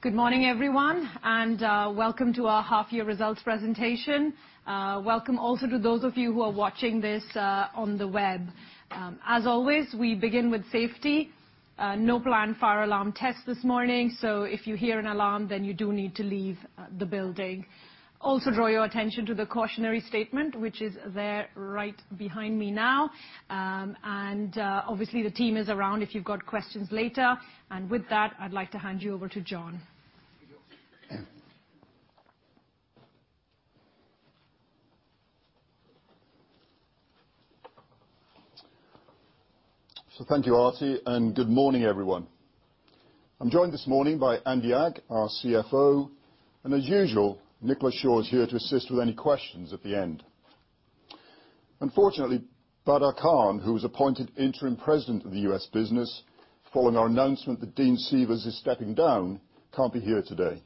Good morning, everyone, and welcome to our Half Year Results Presentation. Welcome also to those of you who are watching this on the web. As always, we begin with safety. No planned fire alarm tests this morning, so if you hear an alarm, then you do need to leave the building. Also, draw your attention to the cautionary statement, which is there right behind me now. Obviously, the team is around if you've got questions later. With that, I'd like to hand you over to John. Thank you, Aarti, and good morning, everyone. I'm joined this morning by Andy Agg, our CFO. As usual, Nicola Shaw is here to assist with any questions at the end. Unfortunately, Badar Khan, who was appointed interim President of the U.S. business following our announcement that Dean Seavers is stepping down, can't be here today.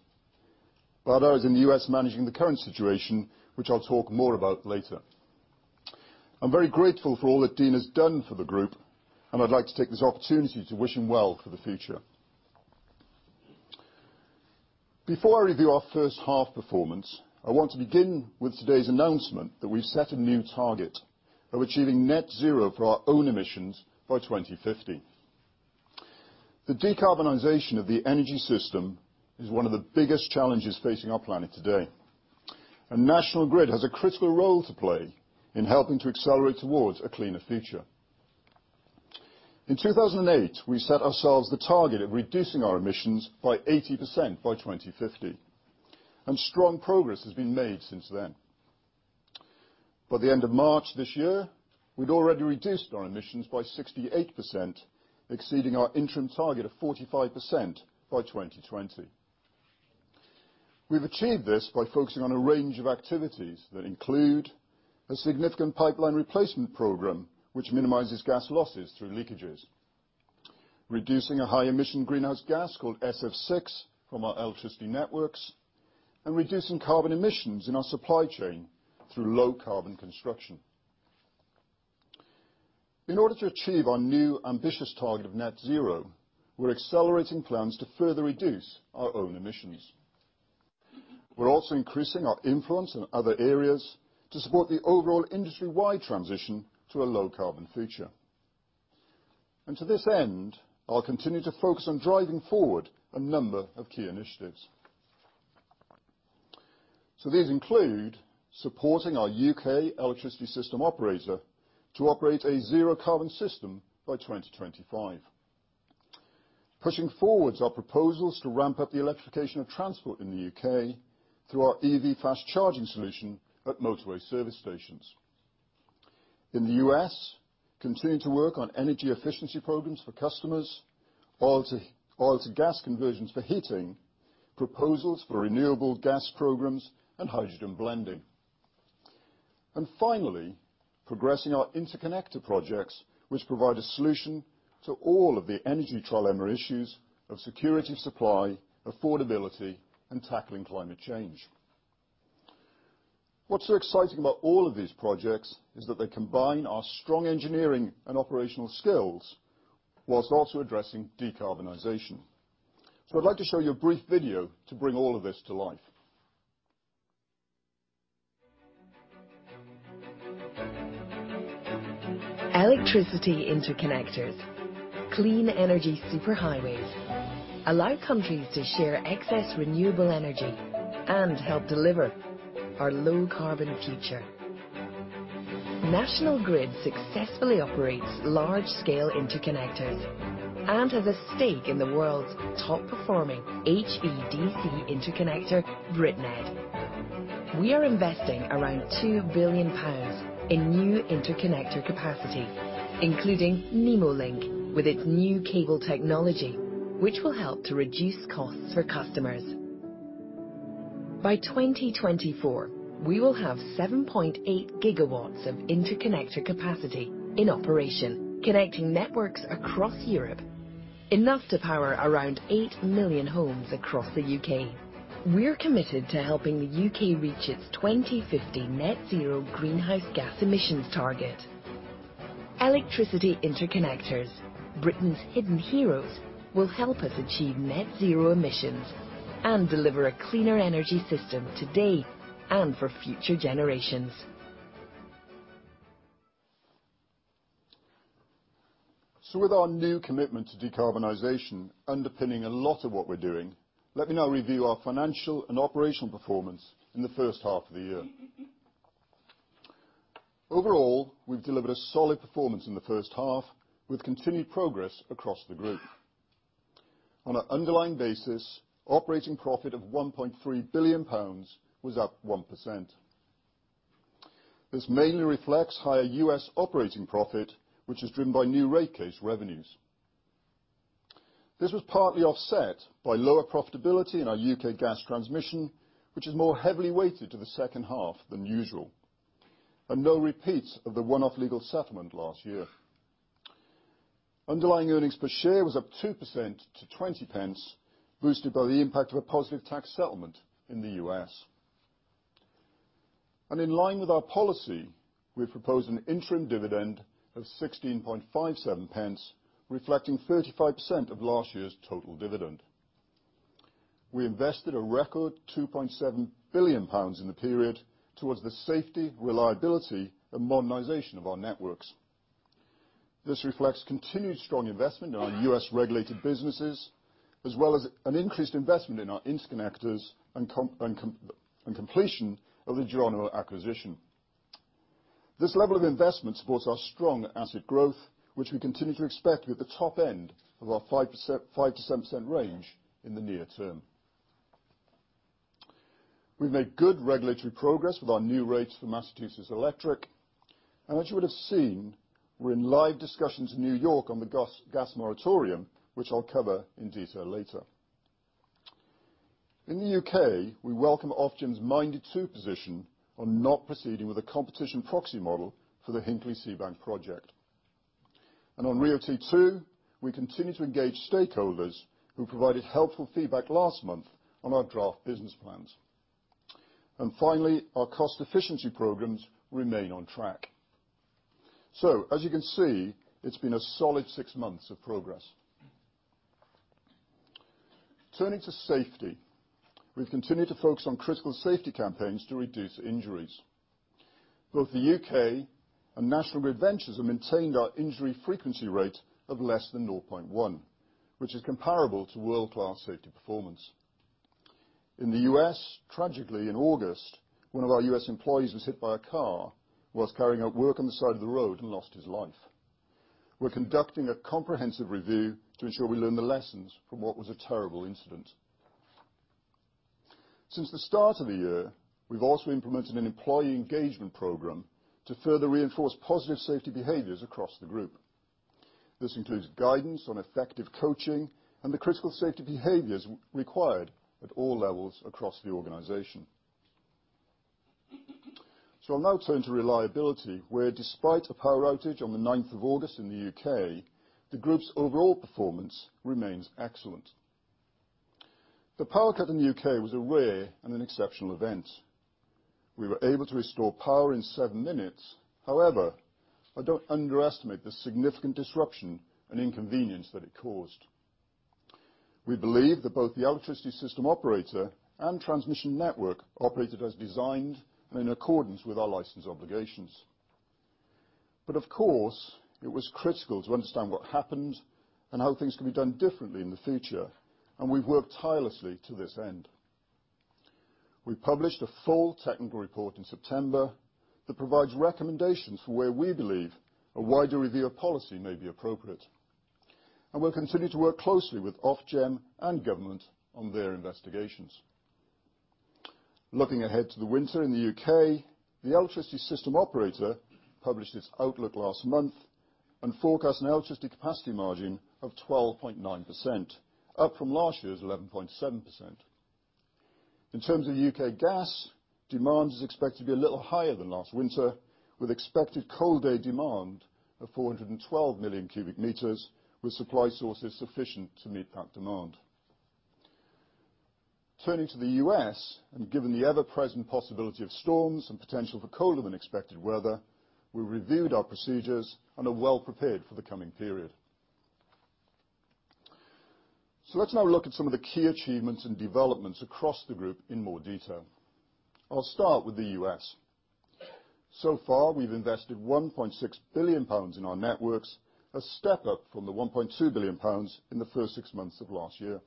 Badar is in the U.S. managing the current situation, which I'll talk more about later. I'm very grateful for all that Dean has done for the Group, and I'd like to take this opportunity to wish him well for the future. Before I review our first half performance, I want to begin with today's announcement that we've set a new target of achieving net zero for our own emissions by 2050. The decarbonization of the energy system is one of the biggest challenges facing our planet today. National Grid has a critical role to play in helping to accelerate towards a cleaner future. In 2008, we set ourselves the target of reducing our emissions by 80% by 2050. Strong progress has been made since then. By the end of March this year, we had already reduced our emissions by 68%, exceeding our interim target of 45% by 2020. We have achieved this by focusing on a range of activities that include a significant pipeline replacement program, which minimizes gas losses through leakages, reducing a high-emission greenhouse gas called SF6 from our electricity networks, and reducing carbon emissions in our supply chain through low-carbon construction. In order to achieve our new ambitious target of net zero, we are accelerating plans to further reduce our own emissions. We are also increasing our influence in other areas to support the overall industry-wide transition to a low-carbon future. To this end, I'll continue to focus on driving forward a number of key initiatives. These include supporting our U.K. electricity system operator to operate a zero-carbon system by 2025, pushing forward our proposals to ramp up the electrification of transport in the U.K. through our EV Fast Charging Solution at motorway service stations. In the U.S., continuing to work on energy efficiency programs for customers, oil-to-gas conversions for heating, proposals for renewable gas programs, and hydrogen blending. Finally, progressing our interconnector projects, which provide a solution to all of the energy trilemma issues of security of supply, affordability, and tackling climate change. What's so exciting about all of these projects is that they combine our strong engineering and operational skills whilst also addressing decarbonization. I'd like to show you a brief video to bring all of this to life. Electricity interconnectors, clean energy superhighways, allow countries to share excess renewable energy and help deliver our low-carbon future. National Grid successfully operates large-scale interconnectors and has a stake in the world's top-performing HVDC interconnector, BritNed. We are investing around 2 billion pounds in new interconnector capacity, including Nemo Link with its new cable technology, which will help to reduce costs for customers. By 2024, we will have 7.8 GW of interconnector capacity in operation, connecting networks across Europe, enough to power around 8 million homes across the U.K. We're committed to helping the U.K. reach its 2050 net zero greenhouse gas emissions target. Electricity interconnectors, Britain's hidden heroes, will help us achieve net zero emissions and deliver a cleaner energy system today and for future generations. With our new commitment to decarbonization underpinning a lot of what we're doing, let me now review our financial and operational performance in the first half of the year. Overall, we've delivered a solid performance in the first half, with continued progress across the Group. On an underlying basis, operating profit of 1.3 billion pounds was up 1%. This mainly reflects higher U.S. operating profit, which is driven by new rate case revenues. This was partly offset by lower profitability in our U.K. gas transmission, which is more heavily weighted to the second half than usual, and no repeat of the one-off legal settlement last year. Underlying earnings per share was up 2% to 0.20, boosted by the impact of a positive tax settlement in the U.S. In line with our policy, we've proposed an interim dividend of 0.1657, reflecting 35% of last year's total dividend. We invested a record 2.7 billion pounds in the period towards the safety, reliability, and modernization of our networks. This reflects continued strong investment in our U.S.-regulated businesses, as well as an increased investment in our interconnectors and completion of the Geronimo acquisition. This level of investment supports our strong asset growth, which we continue to expect to be at the top end of our 5%-7% range in the near term. We've made good regulatory progress with our new rates for Massachusetts Electric. As you would have seen, we're in live discussions in New York on the gas moratorium, which I'll cover in detail later. In the U.K., we welcome Ofgem's minded to position on not proceeding with a competition proxy model for the Hinkley-Seabank project. On RIIO-T2, we continue to engage stakeholders who provided helpful feedback last month on our draft business plans. Finally, our cost efficiency programs remain on track. As you can see, it has been a solid six months of progress. Turning to safety, we have continued to focus on critical safety campaigns to reduce injuries. Both the U.K. and National Ventures have maintained our injury frequency rate of less than 0.1, which is comparable to world-class safety performance. In the U.S., tragically, in August, one of our U.S. employees was hit by a car whilst carrying out work on the side of the road and lost his life. We are conducting a comprehensive review to ensure we learn the lessons from what was a terrible incident. Since the start of the year, we have also implemented an employee engagement program to further reinforce positive safety behaviors across the Group. This includes guidance on effective coaching and the critical safety behaviors required at all levels across the organization. I will now turn to reliability, where, despite a power outage on the 9th of August in the U.K., the group's overall performance remains excellent. The power cut in the U.K. was a rare and exceptional event. We were able to restore power in seven minutes. However, I do not underestimate the significant disruption and inconvenience that it caused. We believe that both the electricity system operator and transmission network operated as designed and in accordance with our license obligations. Of course, it was critical to understand what happened and how things could be done differently in the future. We have worked tirelessly to this end. We published a full technical report in September that provides recommendations for where we believe a wider review of policy may be appropriate. We will continue to work closely with Ofgem and government on their investigations. Looking ahead to the winter in the U.K., the electricity system operator published its outlook last month and forecast an electricity capacity margin of 12.9%, up from last year's 11.7%. In terms of U.K. gas, demand is expected to be a little higher than last winter, with expected cold day demand of 412 million cubic meters, with supply sources sufficient to meet that demand. Turning to the U.S., and given the ever-present possibility of storms and potential for colder than expected weather, we reviewed our procedures and are well prepared for the coming period. Let's now look at some of the key achievements and developments across the Group in more detail. I'll start with the U.S. So far, we've invested 1.6 billion pounds in our networks, a step up from the 1.2 billion pounds in the first six months of last year.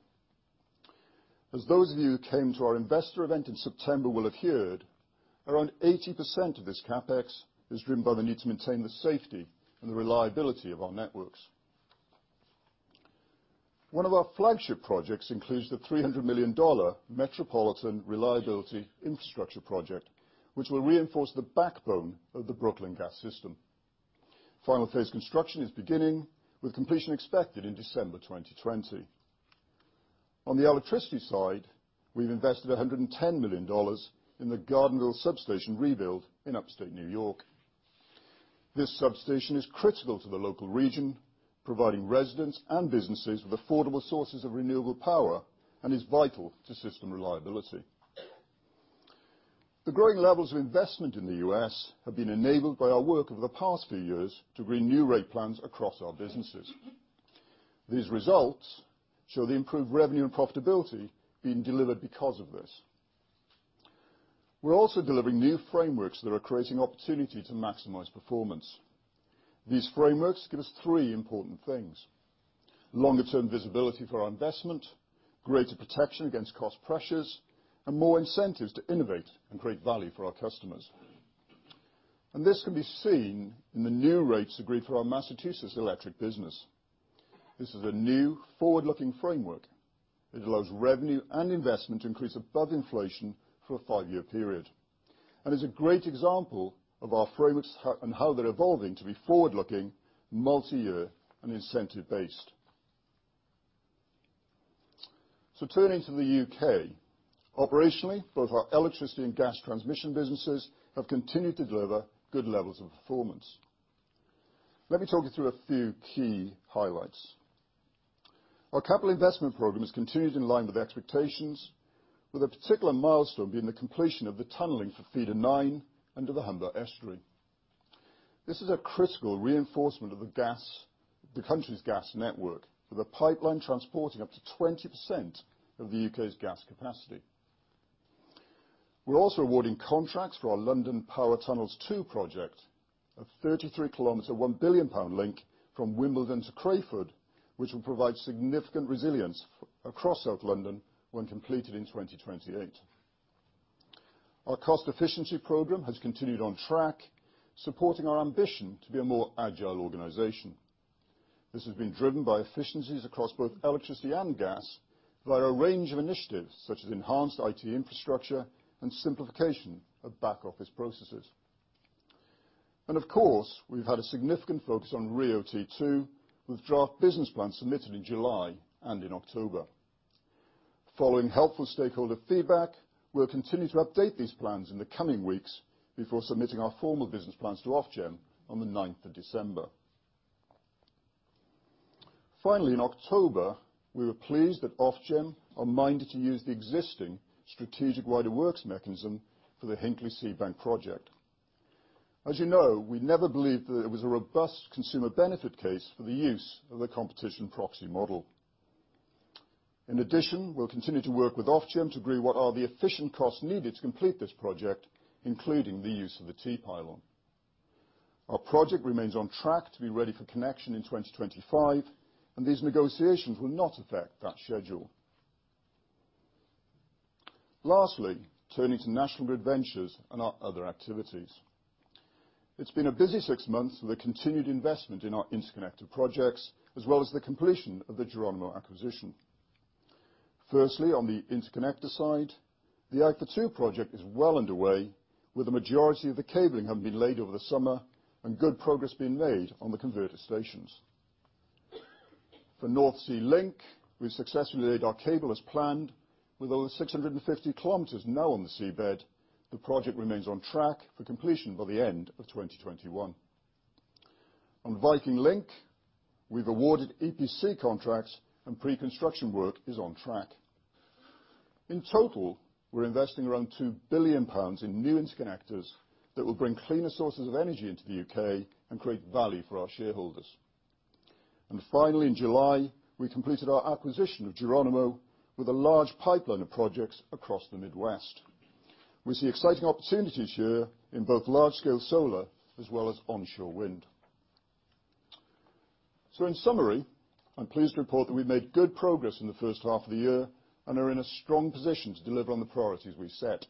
As those of you who came to our investor event in September will have heard, around 80% of this CapEx is driven by the need to maintain the safety and the reliability of our networks. One of our flagship projects includes the $300 million Metropolitan Reliability Infrastructure Project, which will reinforce the backbone of the Brooklyn gas system. Final phase construction is beginning, with completion expected in December 2020. On the electricity side, we've invested $110 million in the Gardenville substation rebuild in upstate New York. This substation is critical to the local region, providing residents and businesses with affordable sources of renewable power and is vital to system reliability. The growing levels of investment in the U.S. have been enabled by our work over the past few years to renew rate plans across our businesses. These results show the improved revenue and profitability being delivered because of this. We're also delivering new frameworks that are creating opportunity to maximize performance. These frameworks give us three important things: longer-term visibility for our investment, greater protection against cost pressures, and more incentives to innovate and create value for our customers. This can be seen in the new rates agreed for our Massachusetts Electric business. This is a new forward-looking framework. It allows revenue and investment to increase above inflation for a five-year period and is a great example of our frameworks and how they're evolving to be forward-looking, multi-year, and incentive-based. Turning to the U.K., operationally, both our Electricity and Gas Transmission businesses have continued to deliver good levels of performance. Let me talk you through a few key highlights. Our capital investment program has continued in line with expectations, with a particular milestone being the completion of the tunneling for Feeder-9 under the Humber estuary. This is a critical reinforcement of the country's gas network, with a pipeline transporting up to 20% of the U.K.'s gas capacity. We are also awarding contracts for our London Power Tunnels 2 project, a 33 km, GBP 1 billion link from Wimbledon to Crayford, which will provide significant resilience across South London when completed in 2028. Our cost efficiency program has continued on track, supporting our ambition to be a more agile organization. This has been driven by efficiencies across both electricity and gas via a range of initiatives, such as enhanced IT infrastructure and simplification of back-office processes. Of course, we have had a significant focus on RIIO-T2, with draft business plans submitted in July and in October. Following helpful stakeholder feedback, we will continue to update these plans in the coming weeks before submitting our formal business plans to Ofgem on the 9th of December. Finally, in October, we were pleased that Ofgem are minded to use the existing strategic wider works mechanism for the Hinkley-Seabank project. As you know, we never believed that it was a robust consumer benefit case for the use of the competition proxy model. In addition, we'll continue to work with Ofgem to agree what are the efficient costs needed to complete this project, including the use of the T-pylon. Our project remains on track to be ready for connection in 2025, and these negotiations will not affect that schedule. Lastly, turning to National Grid Ventures and our other activities. It's been a busy six months with the continued investment in our interconnector projects, as well as the completion of the Geronimo acquisition. Firstly, on the interconnector side, the IFA2 project is well underway, with the majority of the cabling having been laid over the summer and good progress being made on the converter stations. For North Sea Link, we've successfully laid our cable as planned, with over 650 km now on the seabed. The project remains on track for completion by the end of 2021. On Viking Link, we've awarded EPC contracts, and pre-construction work is on track. In total, we're investing around 2 billion pounds in new interconnectors that will bring cleaner sources of energy into the U.K. and create value for our shareholders. Finally, in July, we completed our acquisition of Geronimo, with a large pipeline of projects across the Midwest. We see exciting opportunities here in both large-scale solar as well as onshore wind. In summary, I'm pleased to report that we've made good progress in the first half of the year and are in a strong position to deliver on the priorities we set.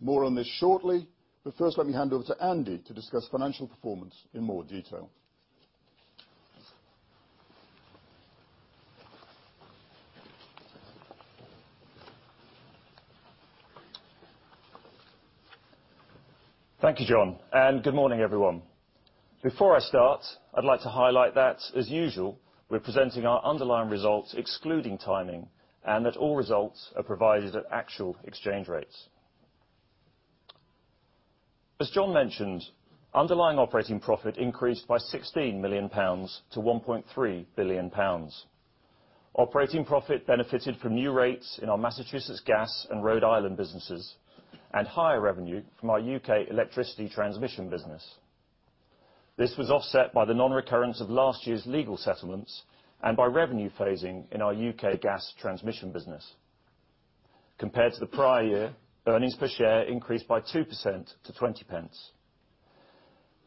More on this shortly, but first, let me hand over to Andy to discuss financial performance in more detail. Thank you, John. Good morning, everyone. Before I start, I'd like to highlight that, as usual, we're presenting our underlying results, excluding timing, and that all results are provided at actual exchange rates. As John mentioned, underlying operating profit increased by 16 million pounds to 1.3 billion pounds. Operating profit benefited from new rates in our Massachusetts Gas and Rhode Island businesses and higher revenue from our U.K. Electricity Transmission business. This was offset by the non-recurrence of last year's legal settlements and by revenue phasing in our U.K. Gas Transmission business. Compared to the prior year, earnings per share increased by 2% to 0.20.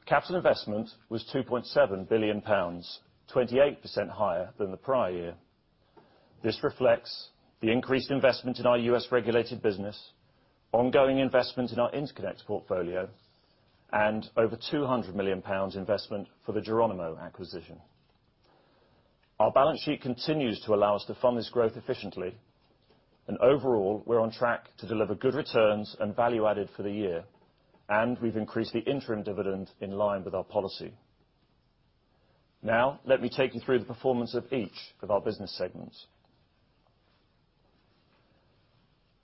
Capital investment was 2.7 billion pounds, 28% higher than the prior year. This reflects the increased investment in our U.S.-regulated business, ongoing investment in our interconnect portfolio, and over 200 million pounds investment for the Geronimo acquisition. Our balance sheet continues to allow us to fund this growth efficiently. Overall, we're on track to deliver good returns and value added for the year, and we've increased the interim dividend in line with our policy. Now, let me take you through the performance of each of our business segments.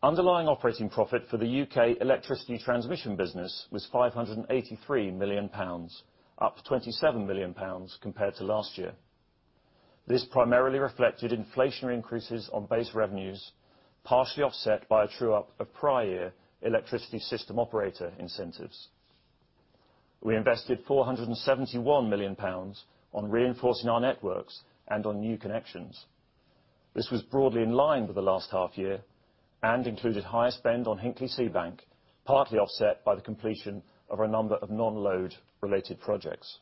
Underlying operating profit for the U.K. Electricity Transmission business was 583 million pounds, up 27 million pounds compared to last year. This primarily reflected inflationary increases on base revenues, partially offset by a true-up of prior year electricity system operator incentives. We invested 471 million pounds on reinforcing our networks and on new connections. This was broadly in line with the last half year and included higher spend on Hinkley-Seabank, partly offset by the completion of a number of non-load related projects.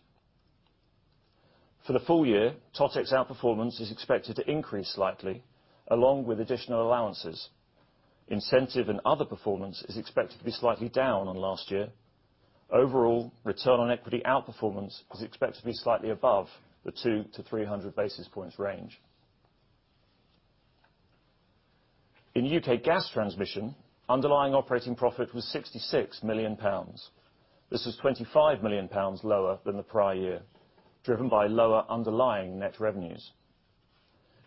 For the full year, TotEx outperformance is expected to increase slightly, along with additional allowances. Incentive and other performance is expected to be slightly down on last year. Overall, return on equity outperformance is expected to be slightly above the 200-300 basis points range. In U.K. Gas Transmission, underlying operating profit was 66 million pounds. This was 25 million pounds lower than the prior year, driven by lower underlying net revenues.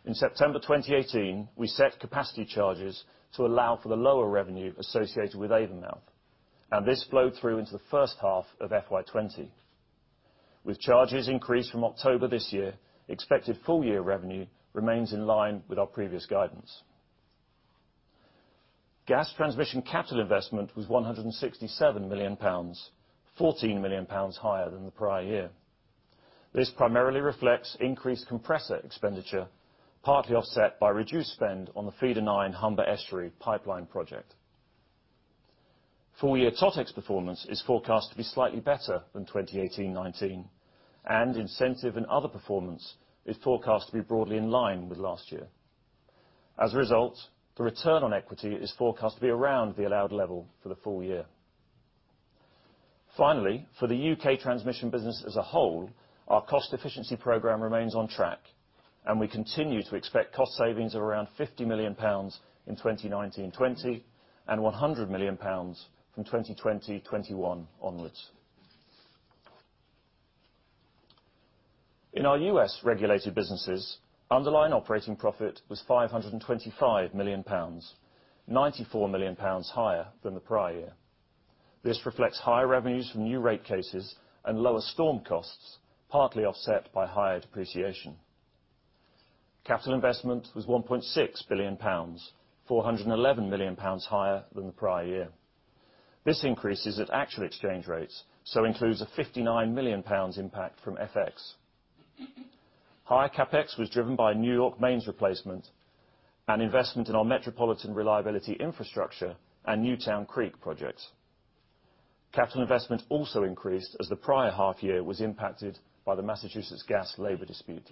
In September 2018, we set capacity charges to allow for the lower revenue associated with Avonmouth, and this flowed through into the first half of FY2020. With charges increased from October this year, expected full year revenue remains in line with our previous guidance. Gas Transmission capital investment was 167 million pounds, 14 million pounds higher than the prior year. This primarily reflects increased compressor expenditure, partly offset by reduced spend on the Feeder-9 Humber estuary pipeline project. Full year TotEx performance is forecast to be slightly better than 2018-2019, and incentive and other performance is forecast to be broadly in line with last year. As a result, the return on equity is forecast to be around the allowed level for the full year. Finally, for the U.K. Transmission business as a whole, our cost efficiency program remains on track, and we continue to expect cost savings of around 50 million pounds in 2019-2020 and 100 million pounds from 2020-2021 onwards. In our U.S.-regulated businesses, underlying operating profit was 525 million pounds, 94 million pounds higher than the prior year. This reflects higher revenues from new rate cases and lower storm costs, partly offset by higher depreciation. Capital investment was 1.6 billion pounds, 411 million pounds higher than the prior year. This increase is at actual exchange rates, so it includes a 59 million pounds impact from FX. Higher CapEx was driven by New York Main's replacement and investment in our Metropolitan Reliability Infrastructure and Newtown Creek projects. Capital investment also increased as the prior half year was impacted by the Massachusetts Gas labor dispute.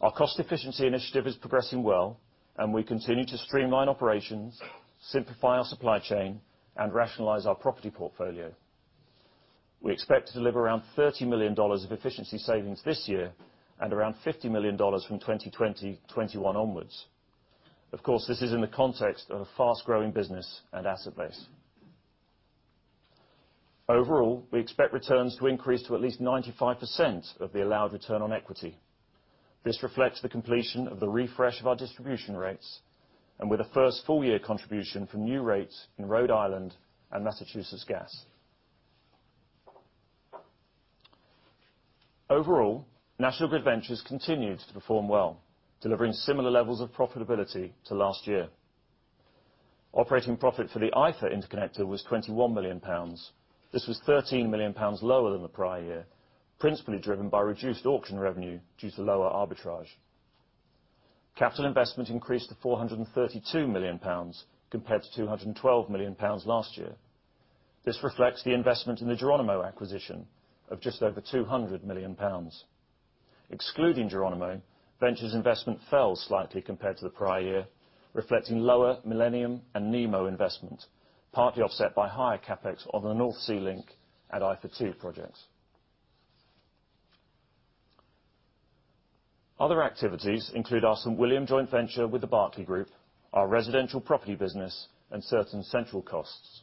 Our cost efficiency initiative is progressing well, and we continue to streamline operations, simplify our supply chain, and rationalize our property portfolio. We expect to deliver around $30 million of efficiency savings this year and around $50 million from 2020-2021 onwards. Of course, this is in the context of a fast-growing business and asset base. Overall, we expect returns to increase to at least 95% of the allowed return on equity. This reflects the completion of the refresh of our distribution rates and with a first full year contribution from new rates in Rhode Island and Massachusetts Gas. Overall, National Grid Ventures continued to perform well, delivering similar levels of profitability to last year. Operating profit for the IFA interconnector was 21 million pounds. This was 13 million pounds lower than the prior year, principally driven by reduced auction revenue due to lower arbitrage. Capital investment increased to 432 million pounds compared to 212 million pounds last year. This reflects the investment in the Geronimo acquisition of just over 200 million pounds. Excluding Geronimo, Ventures investment fell slightly compared to the prior year, reflecting lower Millennium and Nemo investment, partly offset by higher CapEx on the North Sea Link and IFA2 projects. Other activities include our St. William Joint Venture with the Barclays Group, our residential property business, and certain central costs.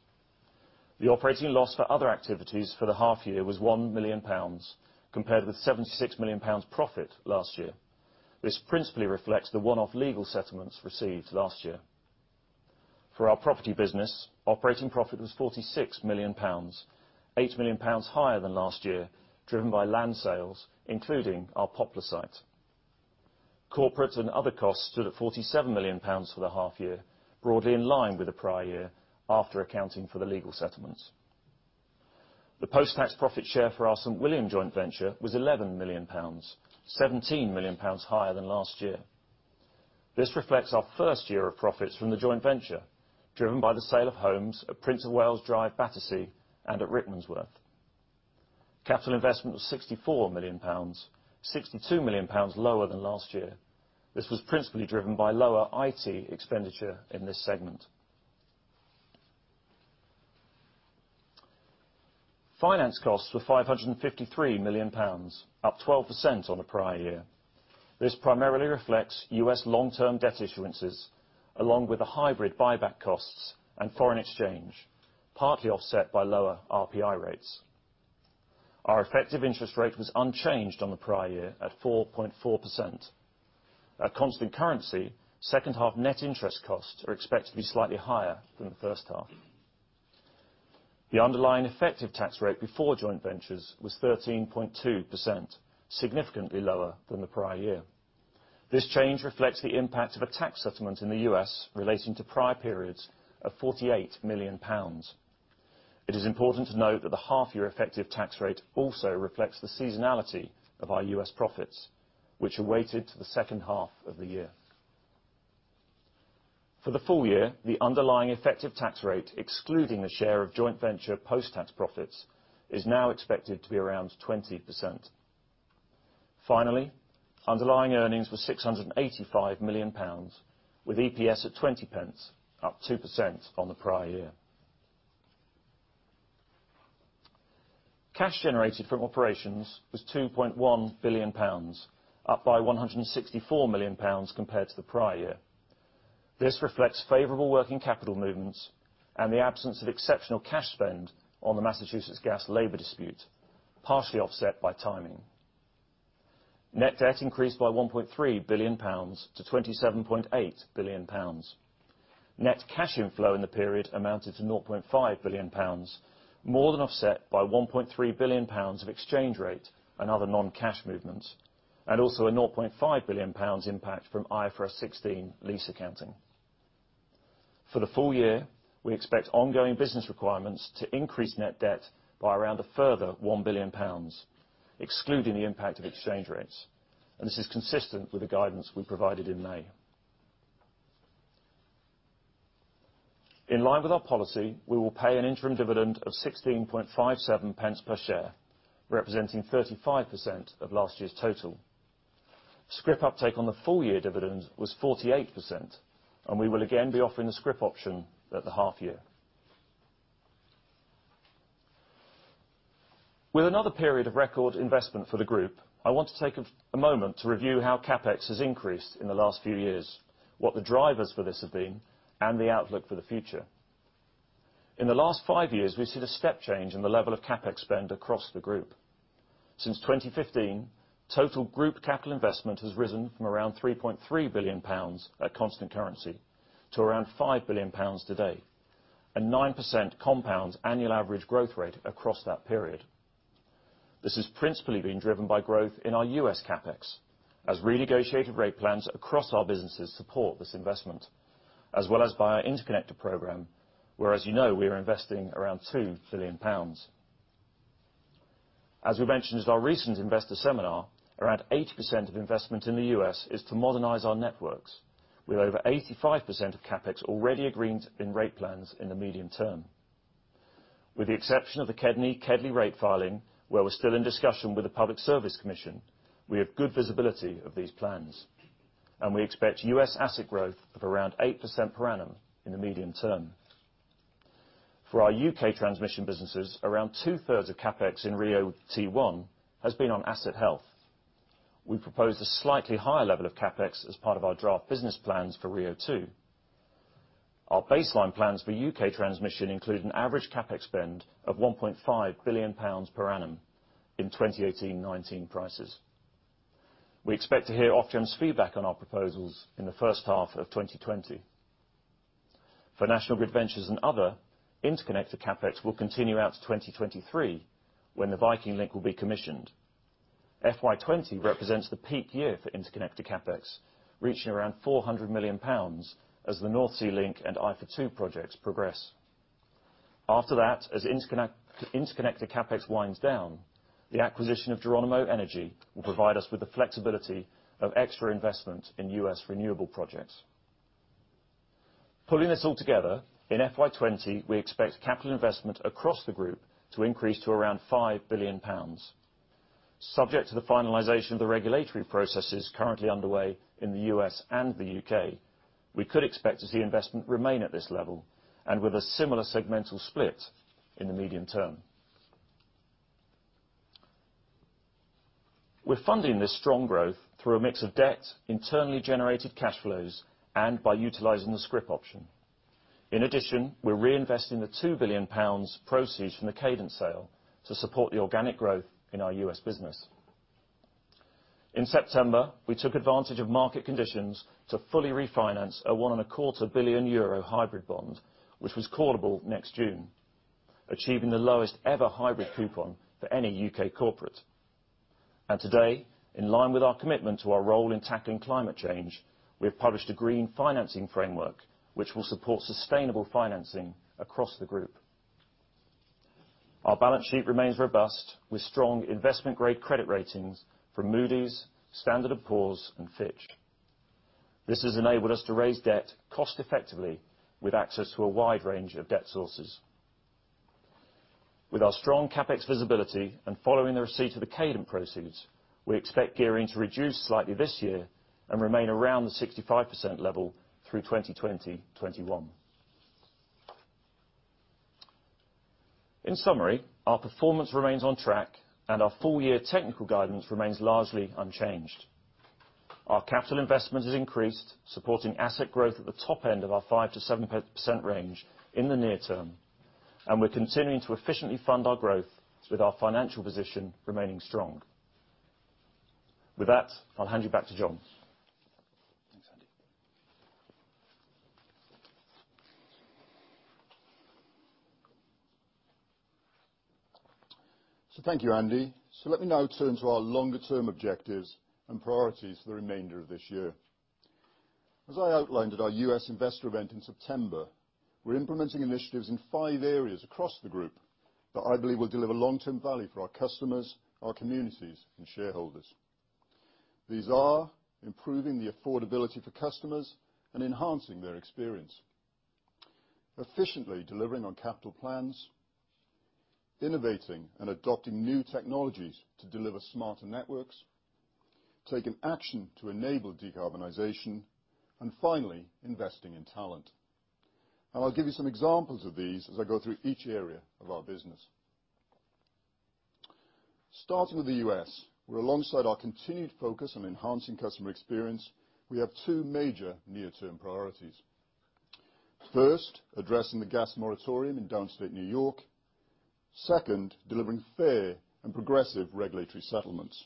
The operating loss for other activities for the half year was 1 million pounds compared with 76 million pounds profit last year. This principally reflects the one-off legal settlements received last year. For our property business, operating profit was 46 million pounds, 8 million pounds higher than last year, driven by land sales, including our popular site. Corporate and other costs stood at 47 million pounds for the half year, broadly in line with the prior year after accounting for the legal settlements. The post-tax profit share for our St. William Joint Venture was 11 million pounds, 17 million pounds higher than last year. This reflects our first year of profits from the joint venture, driven by the sale of homes at Prince of Wales Drive, Battersea, and at Rickmansworth. Capital investment was 64 million pounds, 62 million pounds lower than last year. This was principally driven by lower IT expenditure in this segment. Finance costs were 553 million pounds, up 12% on the prior year. This primarily reflects U.S. long-term debt issuances, along with the hybrid buyback costs and foreign exchange, partly offset by lower RPI rates. Our effective interest rate was unchanged on the prior year at 4.4%. At constant currency, second half net interest costs are expected to be slightly higher than the first half. The underlying effective tax rate before joint ventures was 13.2%, significantly lower than the prior year. This change reflects the impact of a tax settlement in the U.S. relating to prior periods of 48 million pounds. It is important to note that the half year effective tax rate also reflects the seasonality of our U.S. profits, which are weighted to the second half of the year. For the full year, the underlying effective tax rate, excluding the share of joint venture post-tax profits, is now expected to be around 20%. Finally, underlying earnings were 685 million pounds, with EPS at 0.20, up 2% on the prior year. Cash generated from operations was 2.1 billion pounds, up by 164 million pounds compared to the prior year. This reflects favorable working capital movements and the absence of exceptional cash spend on the Massachusetts Gas labor dispute, partially offset by timing. Net debt increased by 1.3 billion pounds to GBP 27.8 billion. Net cash inflow in the period amounted to GBP 0.5 billion, more than offset by 1.3 billion pounds of exchange rate and other non-cash movements, and also a 0.5 billion pounds impact from IFRS 16 lease accounting. For the full year, we expect ongoing business requirements to increase net debt by around a further 1 billion pounds, excluding the impact of exchange rates, and this is consistent with the guidance we provided in May. In line with our policy, we will pay an interim dividend of 0.1657 per share, representing 35% of last year's total. Scrip uptake on the full year dividend was 48%, and we will again be offering the scrip option at the half year. With another period of record investment for the group, I want to take a moment to review how CapEx has increased in the last few years, what the drivers for this have been, and the outlook for the future. In the last five years, we have seen a step change in the level of CapEx spend across the group. Since 2015, total group capital investment has risen from around 3.3 billion pounds at constant currency to around 5 billion pounds today, a 9% compound annual average growth rate across that period. This has principally been driven by growth in our U.S. CapEx, as renegotiated rate plans across our businesses support this investment, as well as by our interconnector program, where, as you know, we are investing around 2 billion pounds. As we mentioned at our recent investor seminar, around 80% of investment in the U.S. is to modernize our networks, with over 85% of CapEx already agreed in rate plans in the medium term. With the exception of the KEDNY-KEDLI rate filing, where we're still in discussion with the Public Service Commission, we have good visibility of these plans, and we expect U.S. asset growth of around 8% per annum in the medium term. For our U.K. Transmission businesses, around two-thirds of CapEx in RIIO-T1 has been on asset health. We proposed a slightly higher level of CapEx as part of our draft business plans for RIIO-2. Our baseline plans for U.K. Transmission include an average CapEx spend of 1.5 billion pounds per annum in 2018-2019 prices. We expect to hear Ofgem's feedback on our proposals in the first half of 2020. For National Grid Ventures and other, interconnector CapEx will continue out to 2023 when the Viking Link will be commissioned. FY2020 represents the peak year for interconnector CapEx, reaching around 400 million pounds as the North Sea Link and IFA2 projects progress. After that, as interconnector CapEx winds down, the acquisition of Geronimo Energy will provide us with the flexibility of extra investment in U.S. renewable projects. Pulling this all together, in FY2020, we expect capital investment across the group to increase to around 5 billion pounds. Subject to the finalization of the regulatory processes currently underway in the U.S. and the U.K., we could expect to see investment remain at this level and with a similar segmental split in the medium term. We're funding this strong growth through a mix of debt, internally generated cash flows, and by utilizing the scrip option. In addition, we're reinvesting the 2 billion pounds proceeds from the Cadent sale to support the organic growth in our U.S. business. In September, we took advantage of market conditions to fully refinance a 1.25 billion euro hybrid bond, which was callable next June, achieving the lowest ever hybrid coupon for any U.K. corporate. Today, in line with our commitment to our role in tackling climate change, we have published a green financing framework which will support sustainable financing across the group. Our balance sheet remains robust, with strong investment-grade credit ratings from Moody's, Standard & Poor's, and Fitch. This has enabled us to raise debt cost-effectively with access to a wide range of debt sources. With our strong CapEx visibility and following the receipt of the Cadent proceeds, we expect gearing to reduce slightly this year and remain around the 65% level through 2020-2021. In summary, our performance remains on track, and our full year technical guidance remains largely unchanged. Our capital investment has increased, supporting asset growth at the top end of our 5%-7% range in the near term, and we're continuing to efficiently fund our growth, with our financial position remaining strong. With that, I'll hand you back to John. Thanks, Andy. Thank you, Andy. Let me now turn to our longer-term objectives and priorities for the remainder of this year. As I outlined at our U.S. investor event in September, we're implementing initiatives in five areas across the group that I believe will deliver long-term value for our customers, our communities, and shareholders. These are improving the affordability for customers and enhancing their experience, efficiently delivering on capital plans, innovating and adopting new technologies to deliver smarter networks, taking action to enable decarbonization, and finally, investing in talent. I'll give you some examples of these as I go through each area of our business. Starting with the U.S., where alongside our continued focus on enhancing customer experience, we have two major near-term priorities. First, addressing the gas moratorium in downstate New York. Second, delivering fair and progressive regulatory settlements.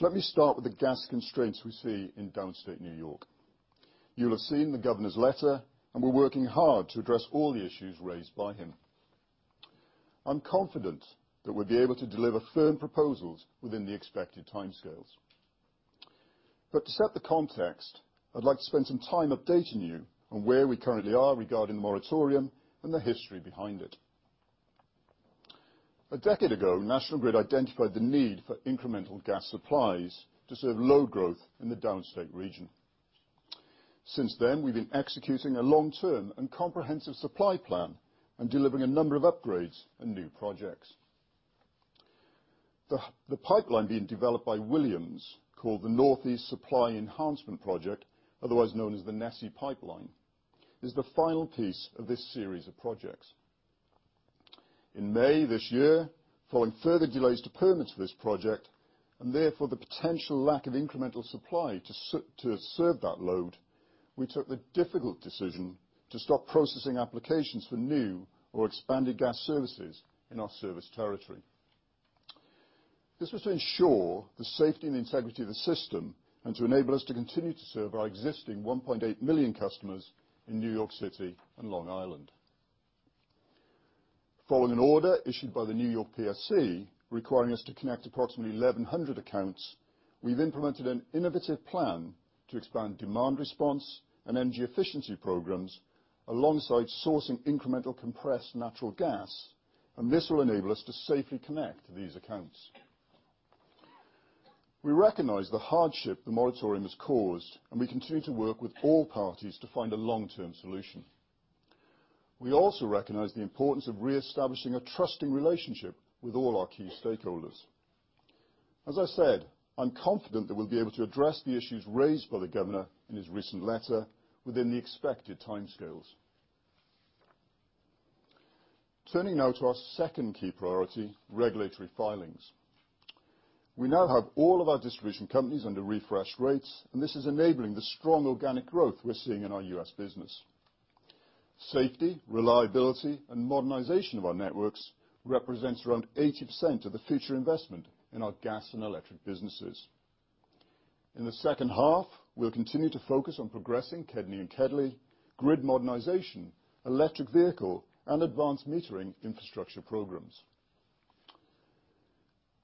Let me start with the gas constraints we see in downstate New York. You'll have seen the Governor's letter, and we're working hard to address all the issues by him. I'm confident that we'll be able to deliver firm proposals within the expected time scales. To set the context, I'd like to spend some time updating you on where we currently are regarding the moratorium and the history behind it. A decade ago, National Grid identified the need for incremental gas supplies to serve low growth in the downstate region. Since then, we've been executing a long-term and comprehensive supply plan and delivering a number of upgrades and new projects. The pipeline being developed by Williams, called the Northeast Supply Enhancement project, otherwise known as the NESE pipeline, is the final piece of this series of projects. In May this year, following further delays to permits for this project and therefore the potential lack of incremental supply to serve that load, we took the difficult decision to stop processing applications for new or expanded gas services in our service territory. This was to ensure the safety and integrity of the system and to enable us to continue to serve our existing 1.8 million customers in New York City and Long Island. Following an order issued by the New York PSC requiring us to connect approximately 1,100 accounts, we have implemented an innovative plan to expand demand response and energy efficiency programs alongside sourcing incremental compressed natural gas, and this will enable us to safely connect these accounts. We recognize the hardship the moratorium has caused, and we continue to work with all parties to find a long-term solution. We also recognize the importance of reestablishing a trusting relationship with all our key stakeholders. As I said, I'm confident that we'll be able to address the issues raised by the Governor in his recent letter within the expected time scales. Turning now to our second key priority, regulatory filings. We now have all of our distribution companies under refreshed rates, and this is enabling the strong organic growth we're seeing in our U.S. business. Safety, reliability, and modernization of our networks represents around 80% of the future investment in our Gas and Electric businesses. In the second half, we'll continue to focus on progressing KEDNY-KEDLI, grid modernization, electric vehicle, and advanced metering infrastructure programs.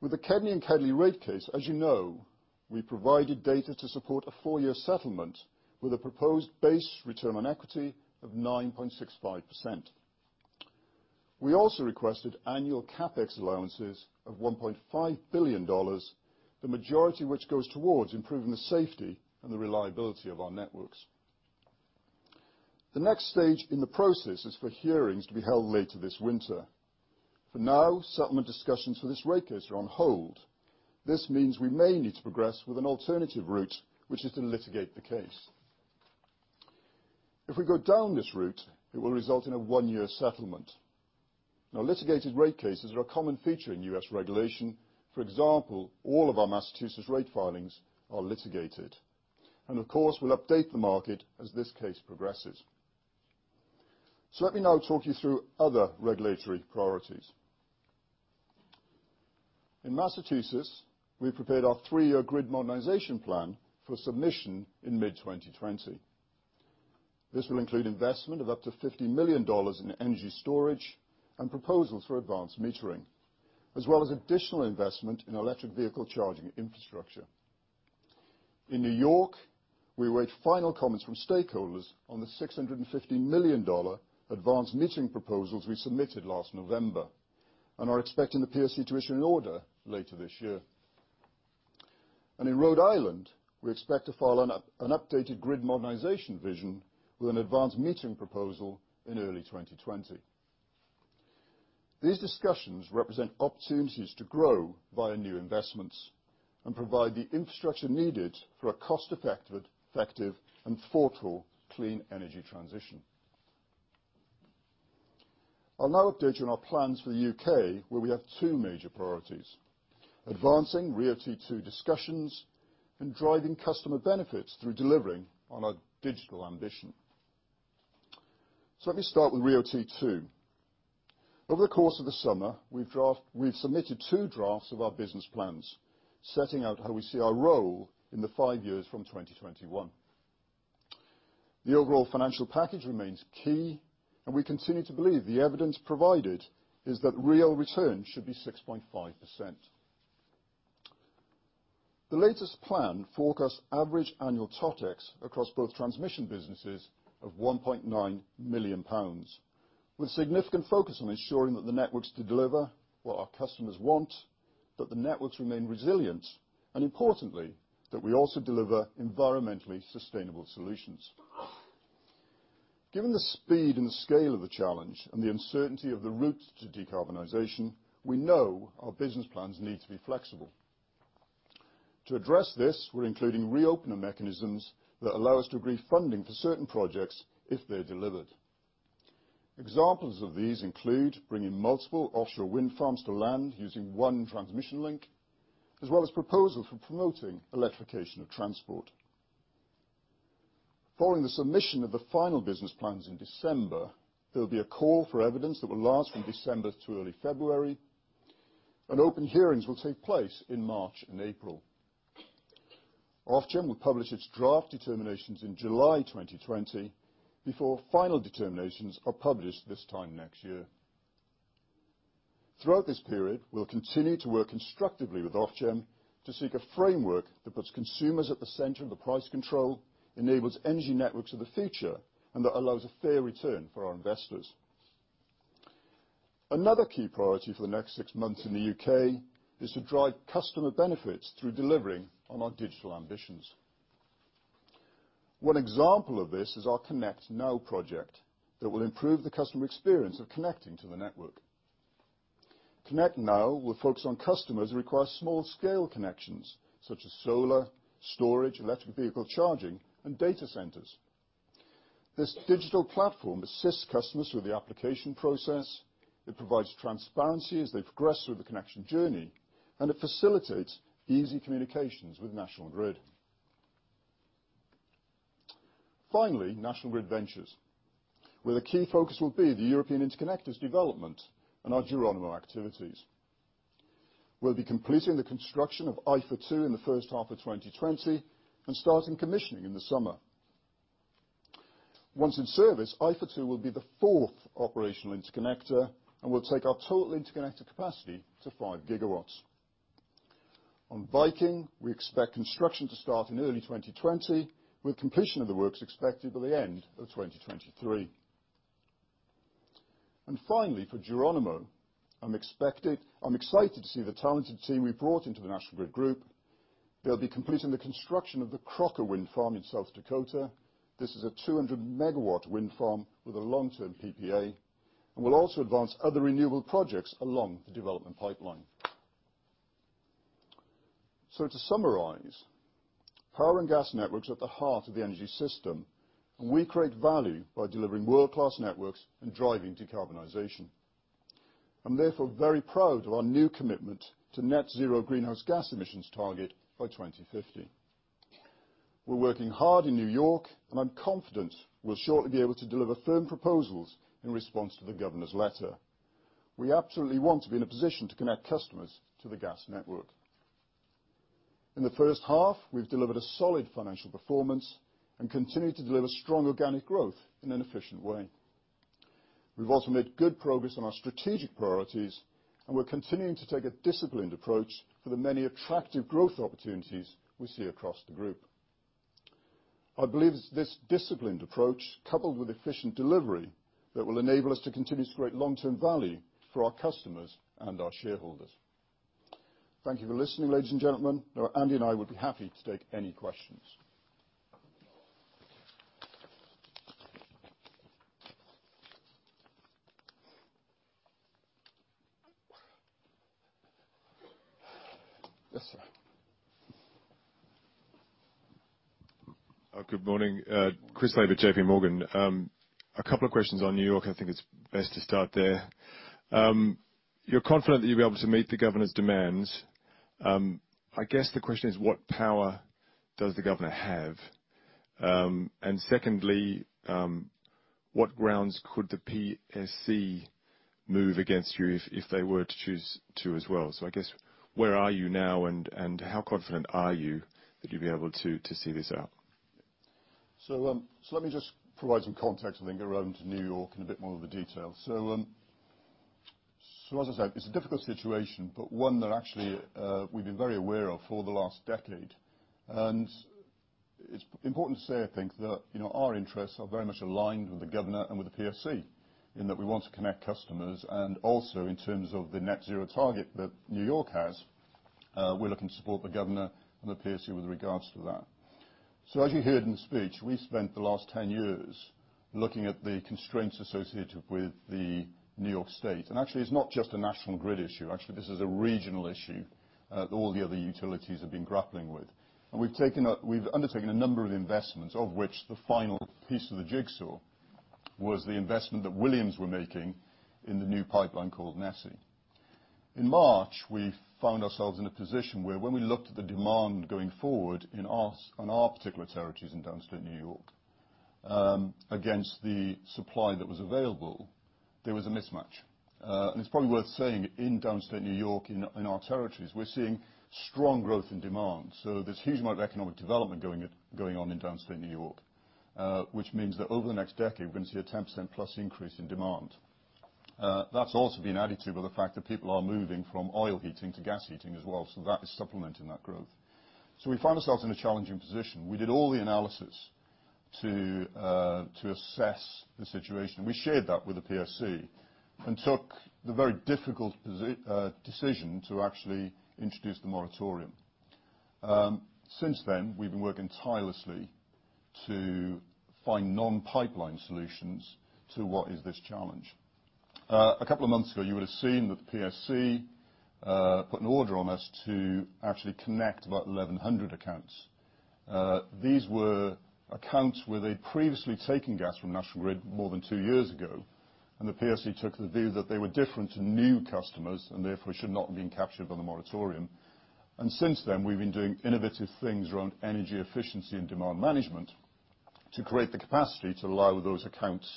With the KEDNY-KEDLI rate case, as you know, we provided data to support a four-year settlement with a proposed base return on equity of 9.65%. We also requested annual CapEx allowances of $1.5 billion, the majority of which goes towards improving the safety and the reliability of our networks. The next stage in the process is for hearings to be held later this winter. For now, settlement discussions for this rate case are on hold. This means we may need to progress with an alternative route, which is to litigate the case. If we go down this route, it will result in a one-year settlement. Now, litigated rate cases are a common feature in U.S. regulation. For example, all of our Massachusetts rate filings are litigated. Of course, we'll update the market as this case progresses. Let me now talk you through other regulatory priorities. In Massachusetts, we've prepared our three-year grid modernization plan for submission in mid-2020. This will include investment of up to $50 million in energy storage and proposals for advanced metering, as well as additional investment in electric vehicle charging infrastructure. In New York, we await final comments from stakeholders on the $650 million advanced metering proposals we submitted last November and are expecting the PSC to issue an order later this year. In Rhode Island, we expect to file an updated grid modernization vision with an advanced metering proposal in early 2020. These discussions represent opportunities to grow via new investments and provide the infrastructure needed for a cost-effective and thoughtful clean energy transition. I will now update you on our plans for the U.K., where we have two major priorities: advancing RIIO-T2 discussions and driving customer benefits through delivering on our digital ambition. Let me start with RIIO-T2. Over the course of the summer, we've submitted two drafts of our business plans, setting out how we see our role in the five years from 2021. The overall financial package remains key, and we continue to believe the evidence provided is that real return should be 6.5%. The latest plan forecasts average annual TotEx across both transmission businesses of 1.9 million pounds, with significant focus on ensuring that the networks deliver what our customers want, that the networks remain resilient, and importantly, that we also deliver environmentally sustainable solutions. Given the speed and the scale of the challenge and the uncertainty of the route to decarbonization, we know our business plans need to be flexible. To address this, we're including reopener mechanisms that allow us to agree funding for certain projects if they're delivered. Examples of these include bringing multiple offshore wind farms to land using one transmission link, as well as proposals for promoting electrification of transport. Following the submission of the final business plans in December, there will be a call for evidence that will last from December to early February, and open hearings will take place in March and April. Ofgem will publish its draft determinations in July 2020 before final determinations are published this time next year. Throughout this period, we'll continue to work constructively with Ofgem to seek a framework that puts consumers at the center of the price control, enables energy networks of the future, and that allows a fair return for our investors. Another key priority for the next six months in the U.K. is to drive customer benefits through delivering on our digital ambitions. One example of this is our ConnectNow project that will improve the customer experience of connecting to the network. ConnectNow will focus on customers who require small-scale connections, such as solar, storage, electric vehicle charging, and data centers. This digital platform assists customers through the application process. It provides transparency as they progress through the connection journey, and it facilitates easy communications with National Grid. Finally, National Grid Ventures, where the key focus will be the European Interconnectors development and our Geronimo activities. We'll be completing the construction of IFA2 in the first half of 2020 and starting commissioning in the summer. Once in service, IFA2 will be the fourth operational interconnector and will take our total interconnector capacity to 5 GW. On Viking, we expect construction to start in early 2020, with completion of the works expected by the end of 2023. Finally, for Geronimo, I'm excited to see the talented team we've brought into the National Grid Group. They'll be completing the construction of the Crocker Wind Farm in South Dakota. This is a 200 MW wind farm with a long-term PPA, and we'll also advance other renewable projects along the development pipeline. To summarize, power and gas networks are at the heart of the energy system, and we create value by delivering world-class networks and driving decarbonization. I'm therefore very proud of our new commitment to net zero greenhouse gas emissions target by 2050. We're working hard in New York, and I'm confident we'll shortly be able to deliver firm proposals in response to the Governor's letter. We absolutely want to be in a position to connect customers to the gas network. In the first half, we've delivered a solid financial performance and continue to deliver strong organic growth in an efficient way. We've also made good progress on our strategic priorities, and we're continuing to take a disciplined approach for the many attractive growth opportunities we see across the Group. I believe it's this disciplined approach, coupled with efficient delivery, that will enable us to continue to create long-term value for our customers and our shareholders. Thank you for listening, ladies and gentlemen. Now, Andy and I would be happy to take any questions. Yes, sir. Good morning. Chris Harberer, JPMorgan. A couple of questions on New York. I think it's best to start there. You're confident that you'll be able to meet the Governor's demands. I guess the question is, what power does the Governor have? What grounds could the PSC move against you if they were to choose to as well? I guess, where are you now, and how confident are you that you'll be able to see this out? Let me just provide some context, I think, around New York and a bit more of the detail. As I said, it's a difficult situation, but one that actually we've been very aware of for the last decade. It's important to say, I think, that our interests are very much aligned with the Governor and with the PSC in that we want to connect customers. Also, in terms of the net zero target that New York has, we're looking to support the Governor and the PSC with regards to that. As you heard in the speech, we spent the last 10 years looking at the constraints associated with New York State. Actually, it's not just a National Grid issue. Actually, this is a regional issue that all the other utilities have been grappling with. We've undertaken a number of investments, of which the final piece of the jigsaw was the investment that Williams were making in the new pipeline called NESE. In March, we found ourselves in a position where, when we looked at the demand going forward in our particular territories in downstate New York against the supply that was available, there was a mismatch. It's probably worth saying, in downstate New York, in our territories, we're seeing strong growth in demand. There is a huge amount of economic development going on in downstate New York, which means that over the next decade, we are going to see a 10%+ increase in demand. That is also being added to by the fact that people are moving from oil heating to gas heating as well. That is supplementing that growth. We find ourselves in a challenging position. We did all the analysis to assess the situation. We shared that with the PSC and took the very difficult decision to actually introduce the moratorium. Since then, we have been working tirelessly to find non-pipeline solutions to what is this challenge. A couple of months ago, you would have seen that the PSC put an order on us to actually connect about 1,100 accounts. These were accounts where they'd previously taken gas from National Grid more than two years ago, and the PSC took the view that they were different to new customers and therefore should not have been captured by the moratorium. Since then, we've been doing innovative things around energy efficiency and demand management to create the capacity to allow those accounts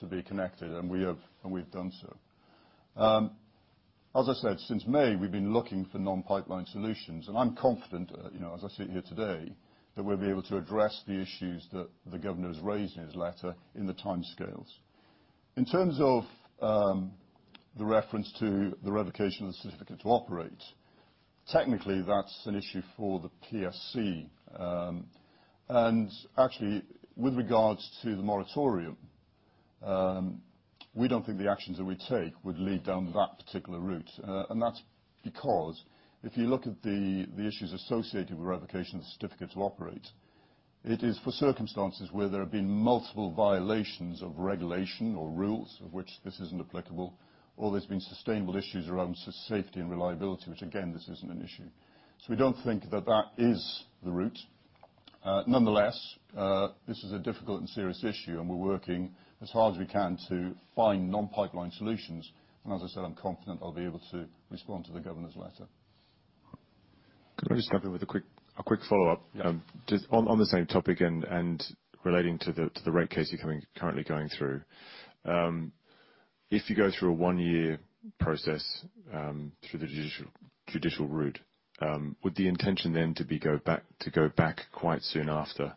to be connected, and we've done so. As I said, since May, we've been looking for non-pipeline solutions. I'm confident, as I sit here today, that we'll be able to address the issues that the Governor has raised in his letter in the time scales. In terms of the reference to the revocation of the certificate to operate, technically, that's an issue for the PSC. Actually, with regards to the moratorium, we don't think the actions that we take would lead down that particular route. That is because if you look at the issues associated with revocation of the certificate to operate, it is for circumstances where there have been multiple violations of regulation or rules, of which this is not applicable, or there have been sustained issues around safety and reliability, which, again, this is not an issue. We do not think that is the route. Nonetheless, this is a difficult and serious issue, and we are working as hard as we can to find non-pipeline solutions. As I said, I am confident I will be able to respond to the Governor's letter. Can I just jump in with a quick follow-up? On the same topic and relating to the rate case you're currently going through, if you go through a one-year process through the judicial route, would the intention then be to go back quite soon after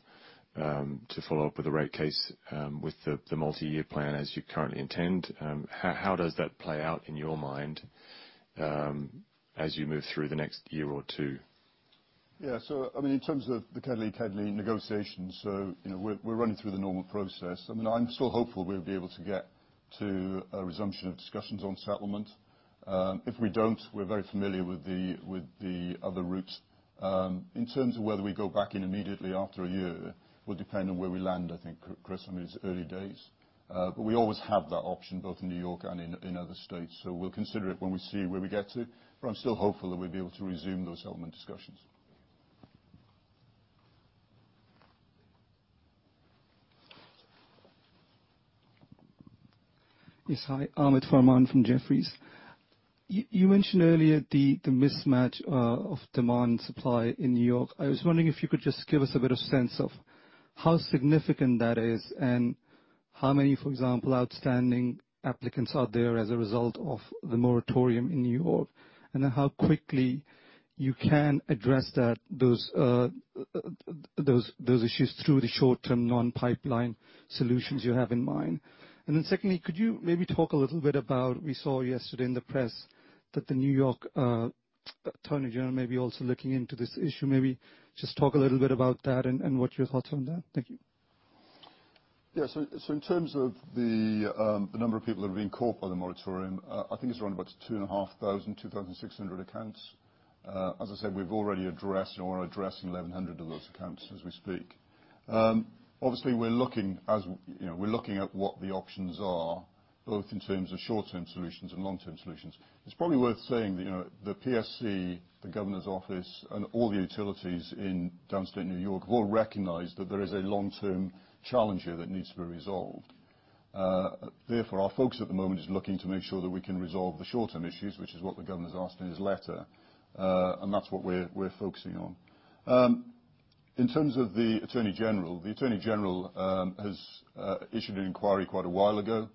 to follow up with the rate case with the multi-year plan as you currently intend? How does that play out in your mind as you move through the next year or two? Yeah. I mean, in terms of the KEDNY-KEDLI negotiations, we're running through the normal process. I mean, I'm still hopeful we'll be able to get to a resumption of discussions on settlement. If we don't, we're very familiar with the other route. In terms of whether we go back in immediately after a year, it will depend on where we land, I think, Chris, I mean, it's early days. We always have that option, both in New York and in other states. We will consider it when we see where we get to. I am still hopeful that we will be able to resume those settlement discussions. Yes, hi. Ahmed Farman from Jefferies. You mentioned earlier the mismatch of demand and supply in New York. I was wondering if you could just give us a bit of sense of how significant that is and how many, for example, outstanding applicants are there as a result of the moratorium in New York, and then how quickly you can address those issues through the short-term non-pipeline solutions you have in mind. Secondly, could you maybe talk a little bit about we saw yesterday in the press that the New York attorney general may be also looking into this issue. Maybe just talk a little bit about that and what your thoughts are on that. Thank you. Yeah. In terms of the number of people that have been caught by the moratorium, I think it is around 2,500-2,600 accounts. As I said, we have already addressed or are addressing 1,100 of those accounts as we speak. Obviously, we are looking at what the options are, both in terms of short-term solutions and long-term solutions. It is probably worth saying that the PSC, the Governor's office, and all the utilities in downstate New York have all recognized that there is a long-term challenge here that needs to be resolved. Therefore, our focus at the moment is looking to make sure that we can resolve the short-term issues, which is what the Governor has asked in his letter, and that is what we are focusing on. In terms of the attorney general, the attorney general has issued an inquiry quite a while ago.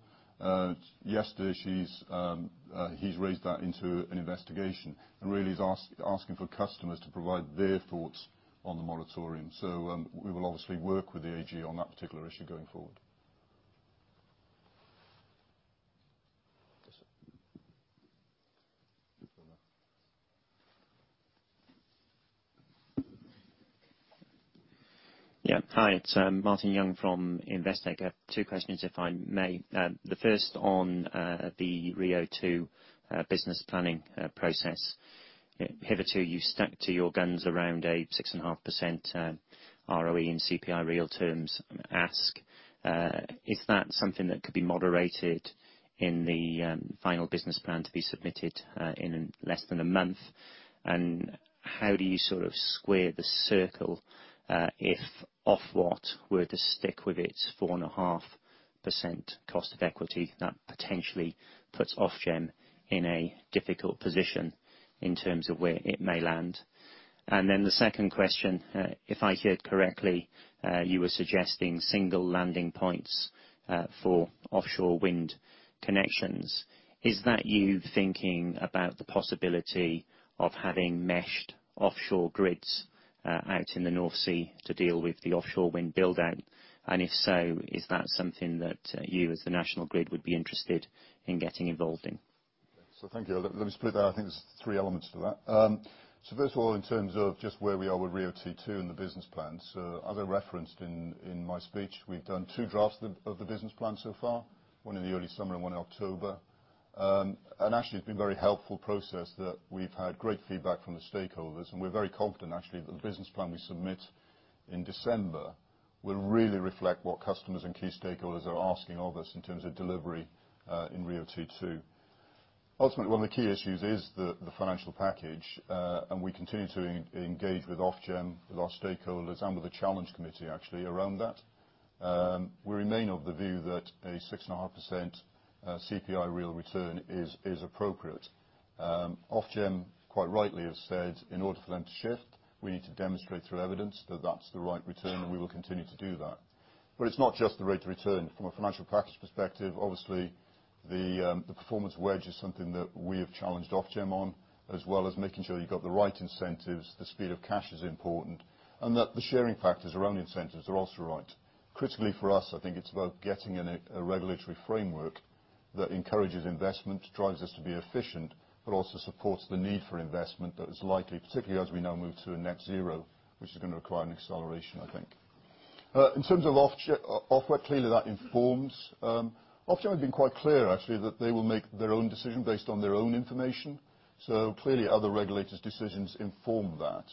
Yesterday, he's raised that into an investigation and really is asking for customers to provide their thoughts on the moratorium. We will obviously work with the AG on that particular issue going forward. Yes, sir. Yeah. Hi. It's Martin Young from Investec. Two questions, if I may. The first on the RIIO-2 business planning process. Hitherto, you've stuck to your guns around a 6.5% ROE in CPI real terms ask. Is that something that could be moderated in the final business plan to be submitted in less than a month? How do you sort of square the circle if Ofgem were to stick with its 4.5% cost of equity that potentially puts Ofgem in a difficult position in terms of where it may land? Then the second question, if I heard correctly, you were suggesting single landing points for offshore wind connections. Is that you thinking about the possibility of having meshed offshore grids out in the North Sea to deal with the offshore wind buildout? If so, is that something that you as the National Grid would be interested in getting involved in? Thank you. Let me split that. I think there's three elements to that. First of all, in terms of just where we are with RIIO-T2 and the business plan, as I referenced in my speech, we've done two drafts of the business plan so far, one in the early summer and one in October. Actually, it's been a very helpful process that we've had great feedback from the stakeholders. We are very confident, actually, that the business plan we submit in December will really reflect what customers and key stakeholders are asking of us in terms of delivery in RIIO-T2. Ultimately, one of the key issues is the financial package. We continue to engage with Ofgem, with our stakeholders, and with the challenge committee, actually, around that. We remain of the view that a 6.5% CPI real return is appropriate. Ofgem, quite rightly, has said, in order for them to shift, we need to demonstrate through evidence that that is the right return, and we will continue to do that. It is not just the rate of return. From a financial package perspective, obviously, the performance wedge is something that we have challenged Ofgem on, as well as making sure you have got the right incentives. The speed of cash is important, and that the sharing factors around incentives are also right. Critically for us, I think it's about getting a regulatory framework that encourages investment, drives us to be efficient, but also supports the need for investment that is likely, particularly as we now move to a net zero, which is going to require an acceleration, I think. In terms of Ofgem, clearly, that informs. Ofgem has been quite clear, actually, that they will make their own decision based on their own information. Clearly, other regulators' decisions inform that.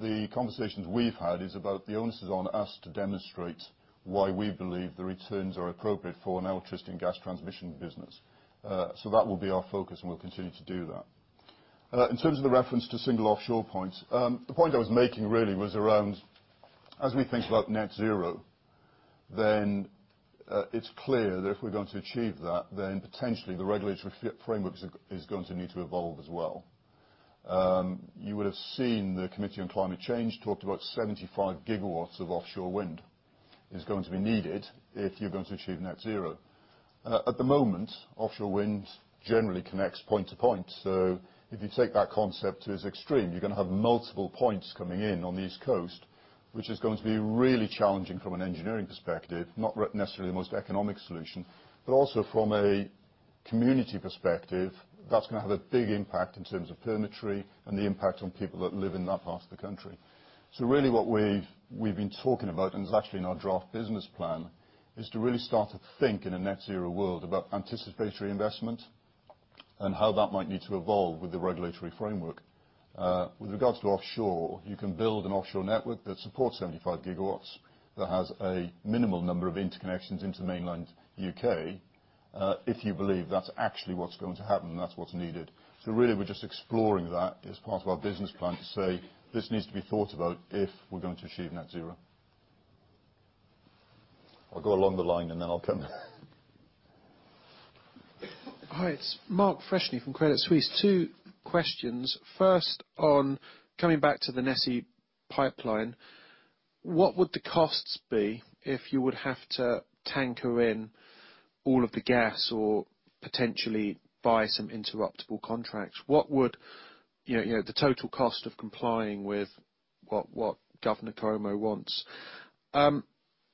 The conversations we've had is about the onus is on us to demonstrate why we believe the returns are appropriate for an oil-trusting Gas Transmission business. That will be our focus, and we'll continue to do that. In terms of the reference to single offshore points, the point I was making, really, was around, as we think about net zero, then it's clear that if we're going to achieve that, then potentially the regulatory framework is going to need to evolve as well. You would have seen the Committee on Climate Change talked about 75 GW of offshore wind is going to be needed if you're going to achieve net zero. At the moment, offshore wind generally connects point to point. If you take that concept to its extreme, you're going to have multiple points coming in on the East Coast, which is going to be really challenging from an engineering perspective, not necessarily the most economic solution, but also from a community perspective, that's going to have a big impact in terms of perimetry and the impact on people that live in that part of the country. What we've been talking about, and it's actually in our draft business plan, is to really start to think in a net zero world about anticipatory investment and how that might need to evolve with the regulatory framework. With regards to offshore, you can build an offshore network that supports 75 GW that has a minimal number of interconnections into mainland U.K. if you believe that's actually what's going to happen and that's what's needed. Really, we're just exploring that as part of our business plan to say, "This needs to be thought about if we're going to achieve net zero." I'll go along the line, and then I'll come. Hi. It's Mark Freshney from Credit Suisse. Two questions. First, on coming back to the NESE pipeline, what would the costs be if you would have to tanker in all of the gas or potentially buy some interruptible contracts? What would the total cost of complying with what Governor Cuomo wants?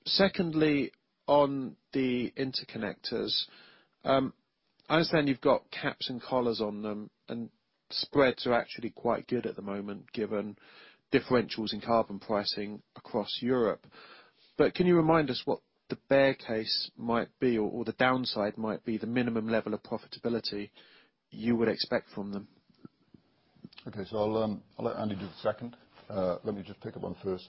Secondly, on the interconnectors, I understand you've got caps and collars on them, and spreads are actually quite good at the moment given differentials in carbon pricing across Europe. Can you remind us what the bear case might be or the downside might be, the minimum level of profitability you would expect from them? Okay. I'll let Andy do the second. Let me just pick up on first.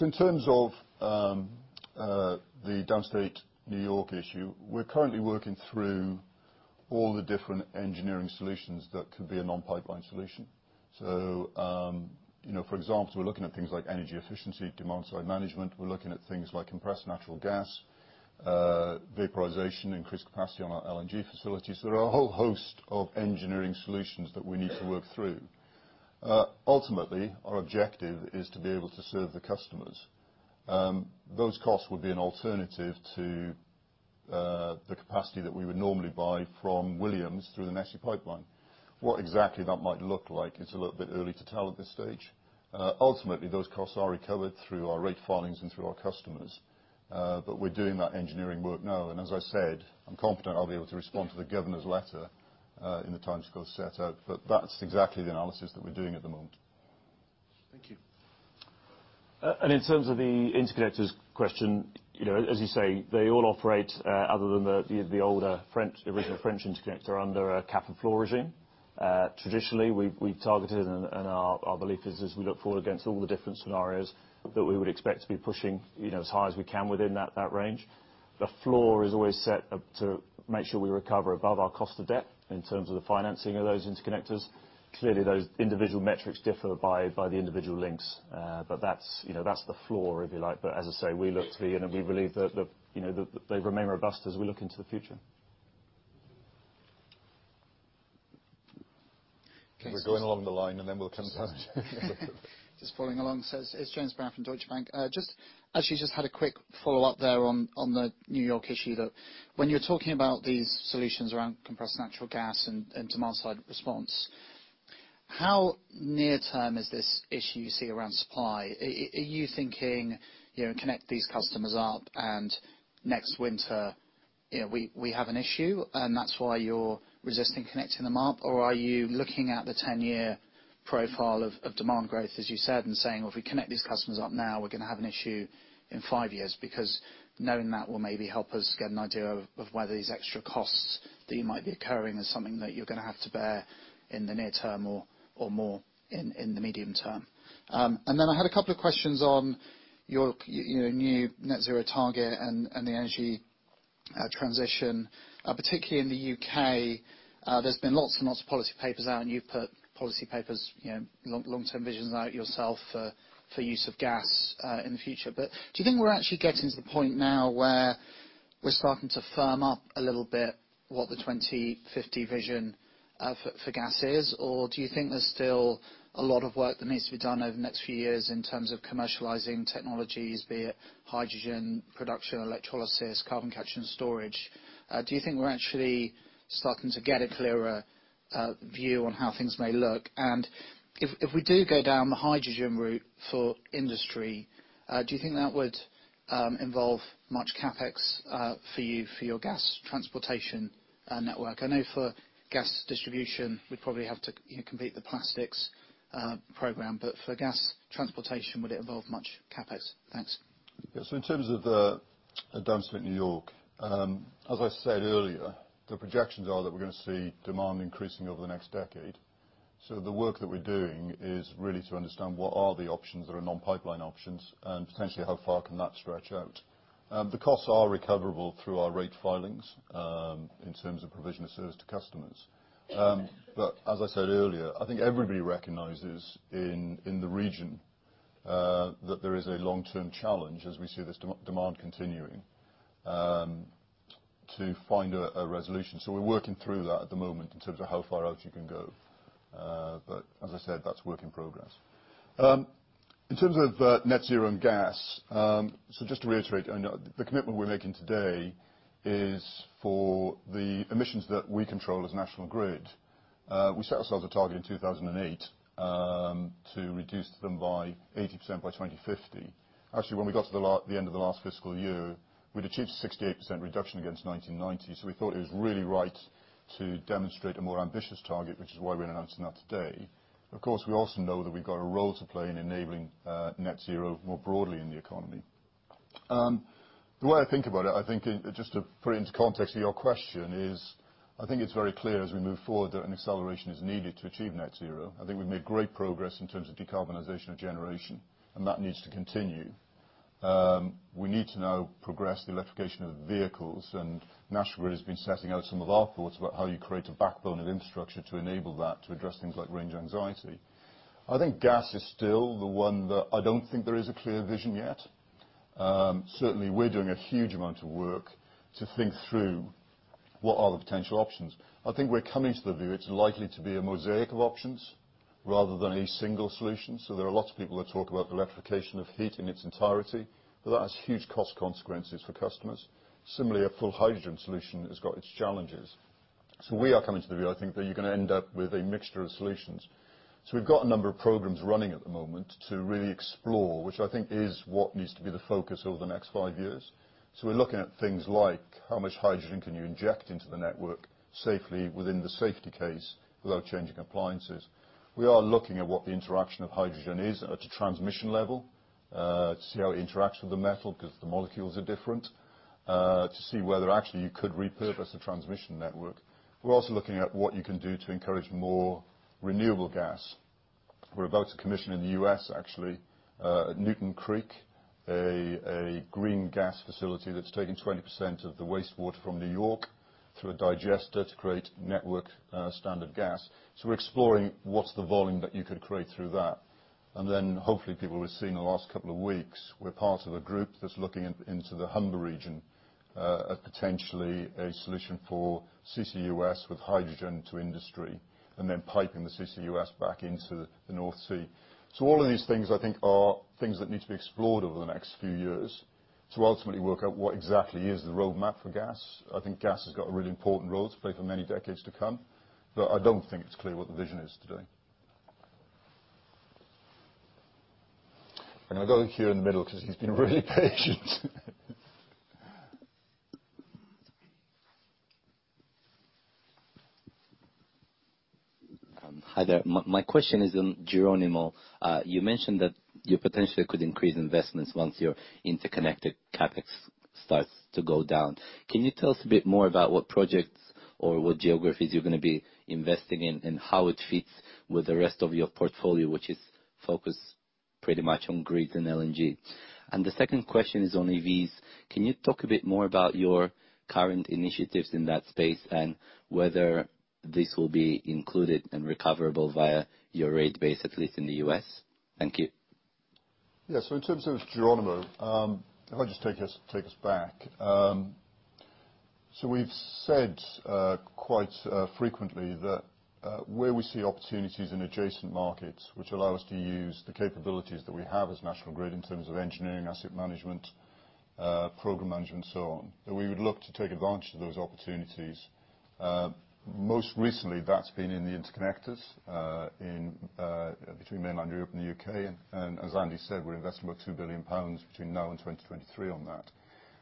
In terms of the downstate New York issue, we're currently working through all the different engineering solutions that could be a non-pipeline solution. For example, we're looking at things like energy efficiency, demand-side management. We're looking at things like compressed natural gas, vaporisation, increased capacity on our LNG facility. There are a whole host of engineering solutions that we need to work through. Ultimately, our objective is to be able to serve the customers. Those costs would be an alternative to the capacity that we would normally buy from Williams through the NESE pipeline. What exactly that might look like, it's a little bit early to tell at this stage. Ultimately, those costs are recovered through our rate filings and through our customers. We're doing that engineering work now. As I said, I'm confident I'll be able to respond to the Governor's letter in the timescale set out. That's exactly the analysis that we're doing at the moment. Thank you. In terms of the interconnectors question, as you say, they all operate, other than the original French interconnector, under a cap and floor regime. Traditionally, we've targeted, and our belief is, as we look forward against all the different scenarios, that we would expect to be pushing as high as we can within that range. The floor is always set to make sure we recover above our cost of debt in terms of the financing of those interconnectors. Clearly, those individual metrics differ by the individual links, but that's the floor, if you like. As I say, we look to the end, and we believe that they remain robust as we look into the future. Okay. We're going along the line, and then we'll come to. Just following along, this is James Brown from Deutsche Bank. Actually, just had a quick follow-up there on the New York issue. When you're talking about these solutions around compressed natural gas and demand-side response, how near-term is this issue you see around supply? Are you thinking, "Connect these customers up, and next winter we have an issue, and that's why you're resisting connecting them up?" or are you looking at the 10-year profile of demand growth, as you said, and saying, "If we connect these customers up now, we're going to have an issue in five years because knowing that will maybe help us get an idea of whether these extra costs that you might be incurring are something that you're going to have to bear in the near term or more in the medium term?" I had a couple of questions on your new net zero target and the energy transition. Particularly in the U.K., there's been lots and lots of policy papers out, and you've put policy papers, long-term visions out yourself for use of gas in the future. Do you think we're actually getting to the point now where we're starting to firm up a little bit what the 2050 vision for gas is? Or do you think there's still a lot of work that needs to be done over the next few years in terms of commercializing technologies, be it hydrogen production, electrolysis, carbon capture, and storage? Do you think we're actually starting to get a clearer view on how things may look? If we do go down the hydrogen route for industry, do you think that would involve much CapEx for you for your gas transportation network? I know for gas distribution, we'd probably have to complete the plastics program. For gas transportation, would it involve much CapEx? Thanks. Yeah. In terms of downstate New York, as I said earlier, the projections are that we're going to see demand increasing over the next decade. The work that we're doing is really to understand what are the options that are non-pipeline options and potentially how far can that stretch out. The costs are recoverable through our rate filings in terms of provision of service to customers. As I said earlier, I think everybody recognizes in the region that there is a long-term challenge as we see this demand continuing to find a resolution. We're working through that at the moment in terms of how far out you can go. As I said, that's work in progress. In terms of net zero and gas, just to reiterate, the commitment we're making today is for the emissions that we control as National Grid. We set ourselves a target in 2008 to reduce them by 80% by 2050. Actually, when we got to the end of the last fiscal year, we'd achieved a 68% reduction against 1990. We thought it was really right to demonstrate a more ambitious target, which is why we're announcing that today. Of course, we also know that we've got a role to play in enabling net zero more broadly in the economy. The way I think about it, I think just to put it into context of your question, is I think it's very clear as we move forward that an acceleration is needed to achieve net zero. I think we've made great progress in terms of decarbonization of generation, and that needs to continue. We need to now progress the electrification of vehicles, and National Grid has been setting out some of our thoughts about how you create a backbone of infrastructure to enable that, to address things like range anxiety. I think gas is still the one that I do not think there is a clear vision yet. Certainly, we are doing a huge amount of work to think through what are the potential options. I think we are coming to the view it is likely to be a mosaic of options rather than a single solution. There are lots of people that talk about the electrification of heat in its entirety, but that has huge cost consequences for customers. Similarly, a full hydrogen solution has got its challenges. We are coming to the view, I think, that you are going to end up with a mixture of solutions. We have a number of programs running at the moment to really explore, which I think is what needs to be the focus over the next five years. We are looking at things like how much hydrogen you can inject into the network safely within the safety case without changing appliances. We are looking at what the interaction of hydrogen is at a transmission level, to see how it interacts with the metal because the molecules are different, to see whether actually you could repurpose the transmission network. We are also looking at what you can do to encourage more renewable gas. We are about to commission in the U.S., actually, Newtown Creek, a green gas facility that is taking 20% of the wastewater from New York through a digester to create network standard gas. We are exploring what is the volume that you could create through that. Hopefully, people will be seeing the last couple of weeks, we're part of a group that's looking into the Humber region, potentially a solution for CCUS with hydrogen to industry, and then piping the CCUS back into the North Sea. All of these things, I think, are things that need to be explored over the next few years to ultimately work out what exactly is the roadmap for gas. I think gas has got a really important role to play for many decades to come, but I do not think it's clear what the vision is today. I'm going to go here in the middle because he's been really patient. Hi there. My question is on Geronimo. You mentioned that you potentially could increase investments once your interconnected CapEx starts to go down. Can you tell us a bit more about what projects or what geographies you're going to be investing in and how it fits with the rest of your portfolio, which is focused pretty much on grids and LNG? The second question is on EVs. Can you talk a bit more about your current initiatives in that space and whether this will be included and recoverable via your rate base, at least in the U.S.? Thank you. Yeah. In terms of Geronimo, if I just take us back, we've said quite frequently that where we see opportunities in adjacent markets, which allow us to use the capabilities that we have as National Grid in terms of engineering, asset management, programme management, and so on, that we would look to take advantage of those opportunities. Most recently, that's been in the interconnectors between mainland Europe and the U.K. As Andy said, we're investing about 2 billion pounds between now and 2023 on that.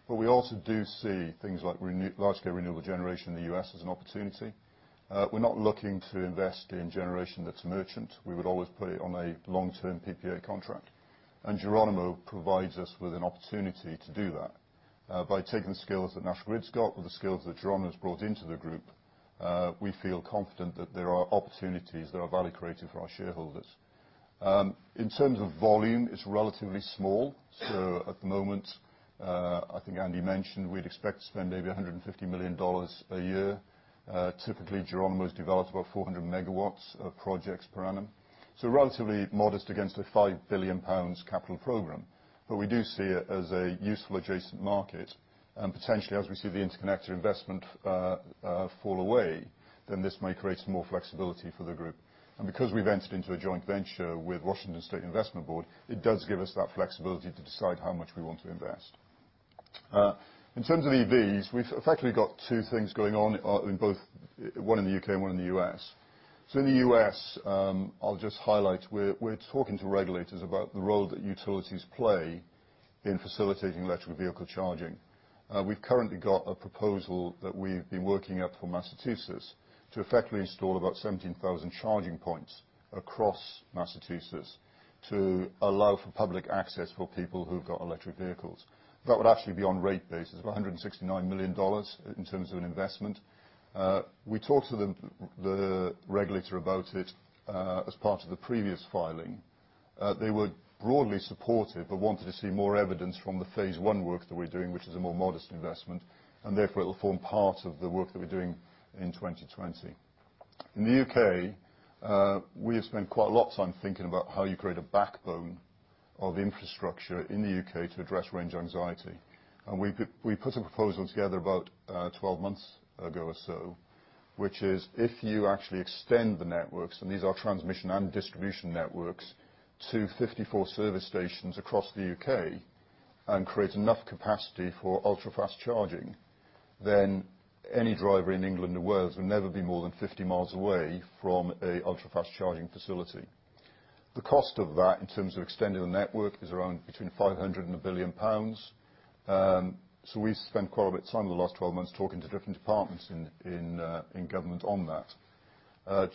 We also do see things like large-scale renewable generation in the U.S. as an opportunity. We're not looking to invest in generation that's merchant. We would always put it on a long-term PPA contract. Geronimo provides us with an opportunity to do that. By taking the skills that National Grid's got with the skills that Geronimo's brought into the group, we feel confident that there are opportunities that are value-creating for our shareholders. In terms of volume, it's relatively small. At the moment, I think Andy mentioned we'd expect to spend maybe $150 million a year. Typically, Geronimo's developed about 400 MW of projects per annum. Relatively modest against a 5 billion pounds capital program. We do see it as a useful adjacent market. Potentially, as we see the interconnector investment fall away, this may create some more flexibility for the Group. Because we have entered into a joint venture with Washington State Investment Board, it does give us that flexibility to decide how much we want to invest. In terms of EVs, we have effectively got two things going on, one in the U.K. and one in the U.S. In the U.S., I will just highlight we are talking to regulators about the role that utilities play in facilitating electric vehicle charging. We have currently got a proposal that we have been working up for Massachusetts to effectively install about 17,000 charging points across Massachusetts to allow for public access for people who have electric vehicles. That would actually be on rate basis, about $169 million in terms of an investment. We talked to the regulator about it as part of the previous filing. They were broadly supportive but wanted to see more evidence from the phase one work that we're doing, which is a more modest investment. It will form part of the work that we're doing in 2020. In the U.K., we have spent quite a lot of time thinking about how you create a backbone of infrastructure in the U.K. to address range anxiety. We put a proposal together about 12 months ago or so, which is if you actually extend the networks, and these are transmission and distribution networks, to 54 service stations across the U.K. and create enough capacity for ultra-fast charging, then any driver in England or Wales will never be more than 50 mi away from an ultra-fast charging facility. The cost of that in terms of extending the network is around between 500 million and 1 billion pounds. We have spent quite a bit of time in the last 12 months talking to different departments in government on that.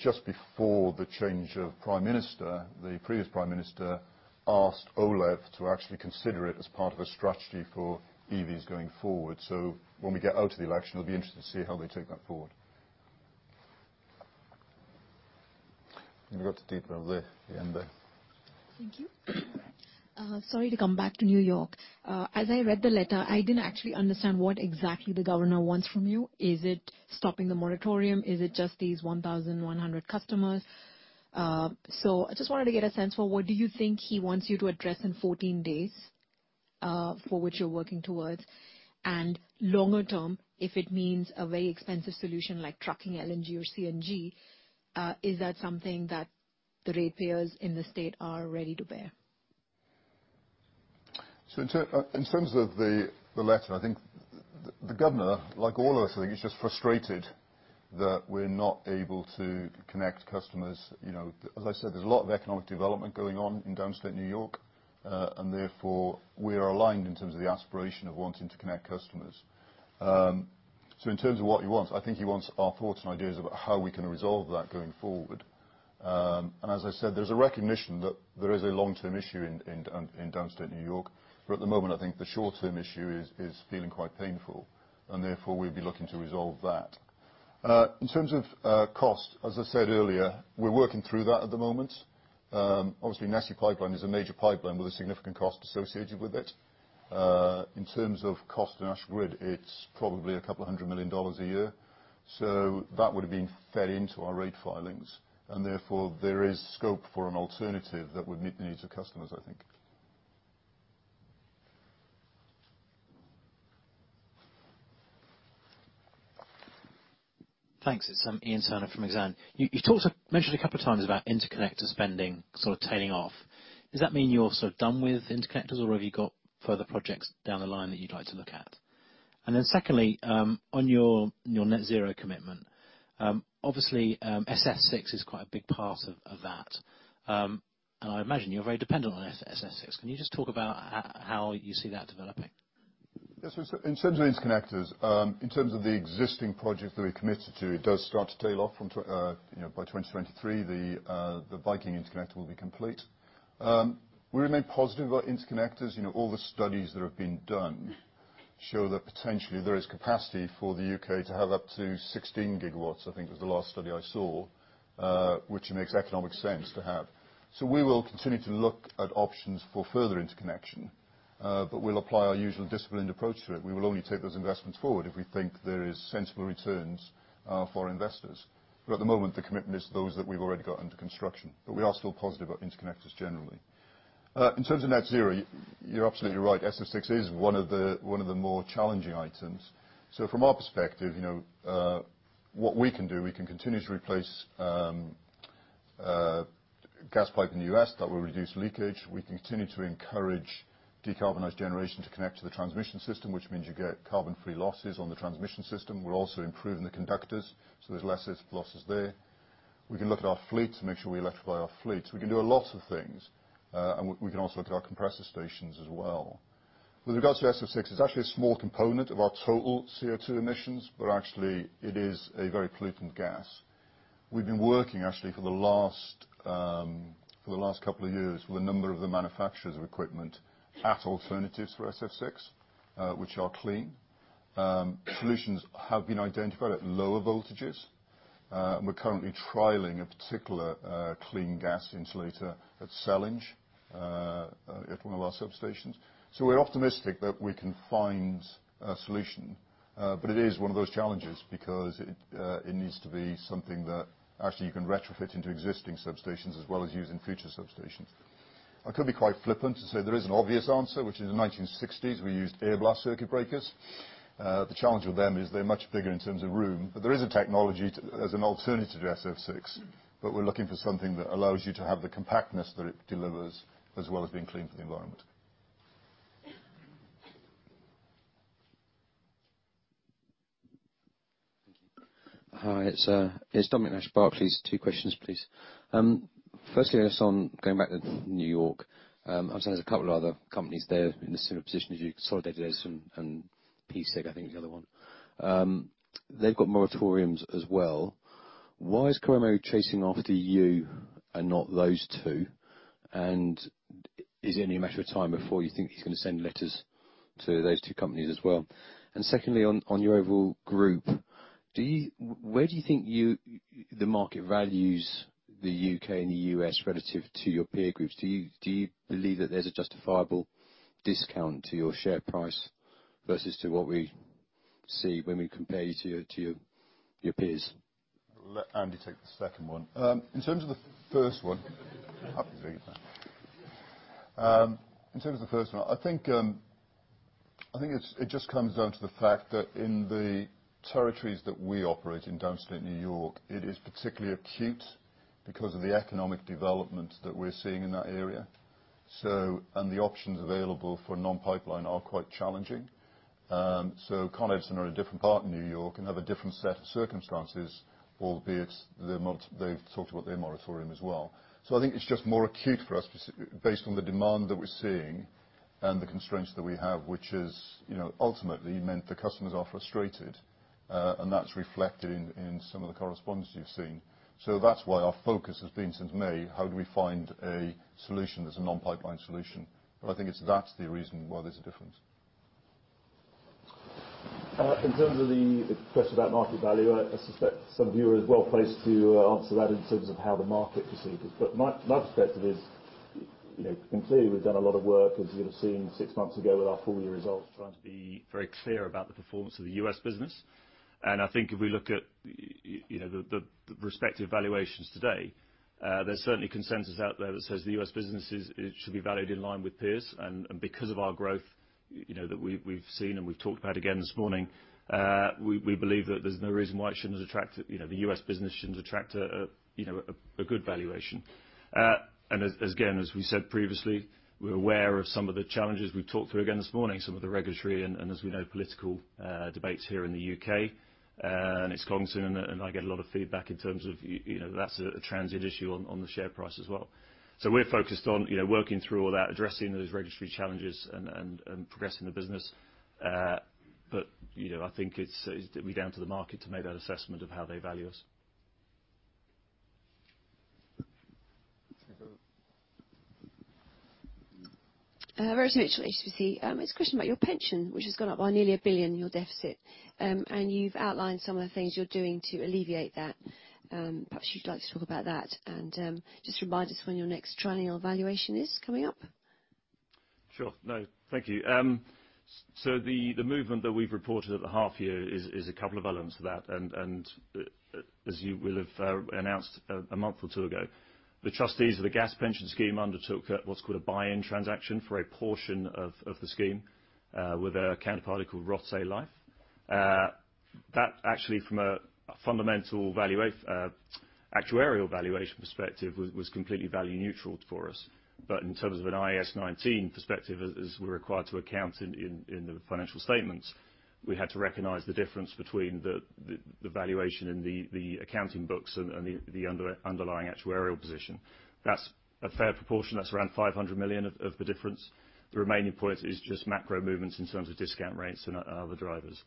Just before the change of Prime Minister, the previous Prime Minister asked OLEV to actually consider it as part of a strategy for EVs going forward. When we get out of the election, it will be interesting to see how they take that forward. We have got the detail there. Thank you. Sorry to come back to New York. As I read the letter, I did not actually understand what exactly the Governor wants from you. Is it stopping the moratorium? Is it just these 1,100 customers? I just wanted to get a sense for what you think he wants you to address in 14 days for which you are working towards. Longer term, if it means a very expensive solution like trucking, LNG, or CNG, is that something that the ratepayers in the state are ready to bear? In terms of the letter, I think the Governor, like all of us, is just frustrated that we're not able to connect customers. As I said, there is a lot of economic development going on in downstate New York, and therefore, we are aligned in terms of the aspiration of wanting to connect customers. In terms of what he wants, I think he wants our thoughts and ideas about how we can resolve that going forward. As I said, there is a recognition that there is a long-term issue in downstate New York. At the moment, the short-term issue is feeling quite painful. Therefore, we will be looking to resolve that. In terms of cost, as I said earlier, we're working through that at the moment. Obviously, NESE pipeline is a major pipeline with a significant cost associated with it. In terms of cost to National Grid, it's probably a couple of hundred million dollars a year. That would have been fed into our rate filings. Therefore, there is scope for an alternative that would meet the needs of customers, I think. Thanks. It's Ian Turner from Exane. You mentioned a couple of times about interconnector spending sort of tailing off. Does that mean you're sort of done with interconnectors, or have you got further projects down the line that you'd like to look at? Secondly, on your net zero commitment, obviously, SF6 is quite a big part of that. I imagine you're very dependent on SF6. Can you just talk about how you see that developing? Yeah. In terms of interconnectors, in terms of the existing projects that we're committed to, it does start to tail off by 2023. The Viking interconnector will be complete. We remain positive about interconnectors. All the studies that have been done show that potentially there is capacity for the U.K. to have up to 16 GW, I think was the last study I saw, which makes economic sense to have. We will continue to look at options for further interconnection, but we'll apply our usual disciplined approach to it. We will only take those investments forward if we think there are sensible returns for our investors. At the moment, the commitment is those that we've already got under construction. We are still positive about interconnectors generally. In terms of net zero, you're absolutely right. SF6 is one of the more challenging items. From our perspective, what we can do, we can continue to replace gas pipe in the U.S. that will reduce leakage. We can continue to encourage decarbonized generation to connect to the transmission system, which means you get carbon-free losses on the transmission system. We are also improving the conductors, so there are less losses there. We can look at our fleet to make sure we electrify our fleet. We can do a lot of things. We can also look at our compressor stations as well. With regards to SF6, it is actually a small component of our total CO2 emissions, but actually, it is a very pollutant gas. We have been working actually for the last couple of years with a number of the manufacturers of equipment at alternatives for SF6, which are clean. Solutions have been identified at lower voltages. We're currently trialling a particular clean gas insulator at Sellindge at one of our substations. We are optimistic that we can find a solution. It is one of those challenges because it needs to be something that actually you can retrofit into existing substations as well as use in future substations. I could be quite flippant to say there is an obvious answer, which is in the 1960s, we used air blast circuit breakers. The challenge with them is they're much bigger in terms of room. There is a technology as an alternative to SF6. We are looking for something that allows you to have the compactness that it delivers as well as being clean for the environment. Hi. It's Dominic Nash, Barclays. Two questions, please. Firstly, I guess on going back to New York, I've seen there's a couple of other companies there in a similar position as you, Solid Ideas and PSC, I think is the other one. They've got moratoriums as well. Why is Coromary chasing after you and not those two? Is it only a matter of time before you think he's going to send letters to those two companies as well? Secondly, on your overall Group, where do you think the market values the U.K. and the U.S. relative to your peer groups? Do you believe that there's a justifiable discount to your share price versus to what we see when we compare you to your peers? Let Andy take the second one. In terms of the first one, I think it just comes down to the fact that in the territories that we operate in, downstate New York, it is particularly acute because of the economic development that we're seeing in that area. The options available for non-pipeline are quite challenging. Con Edison are a different part in New York and have a different set of circumstances, albeit they've talked about their moratorium as well. I think it's just more acute for us based on the demand that we're seeing and the constraints that we have, which has ultimately meant the customers are frustrated. That's reflected in some of the correspondence you've seen. That's why our focus has been since May, how do we find a solution that's a non-pipeline solution? I think that's the reason why there's a difference. In terms of the question about market value, I suspect some viewer is well placed to answer that in terms of how the market perceives it. My perspective is, clearly, we've done a lot of work, as you'll have seen six months ago with our four-year results, trying to be very clear about the performance of the U.S. business. I think if we look at the respective valuations today, there's certainly consensus out there that says the U.S. business should be valued in line with peers. Because of our growth that we've seen and we've talked about again this morning, we believe that there's no reason why it shouldn't attract, the U.S. business shouldn't attract, a good valuation. As we said previously, we're aware of some of the challenges we've talked through again this morning, some of the regulatory and, as we know, political debates here in the U.K. It's constant. I get a lot of feedback in terms of that's a transient issue on the share price as well. We're focused on working through all that, addressing those regulatory challenges and progressing the business. I think it's down to the market to make that assessment of how they value us. Vera Smitch, HSBC. It's a question about your pension, which has gone up by nearly 1 billion, your deficit. You've outlined some of the things you're doing to alleviate that. Perhaps you'd like to talk about that and just remind us when your next triennial valuation is coming up. Sure. No. Thank you. The movement that we've reported at the half year is a couple of elements of that. As you will have announced a month or two ago, the trustees of the gas pension scheme undertook what's called a buy-in transaction for a portion of the scheme with a counterparty called Rothesay Life. That, actually, from a fundamental actuarial valuation perspective, was completely value neutral for us. In terms of an IAS 19 perspective, as we're required to account in the financial statements, we had to recognize the difference between the valuation and the accounting books and the underlying actuarial position. That's a fair proportion. That's around 500 million of the difference. The remaining point is just macro movements in terms of discount rates and other drivers.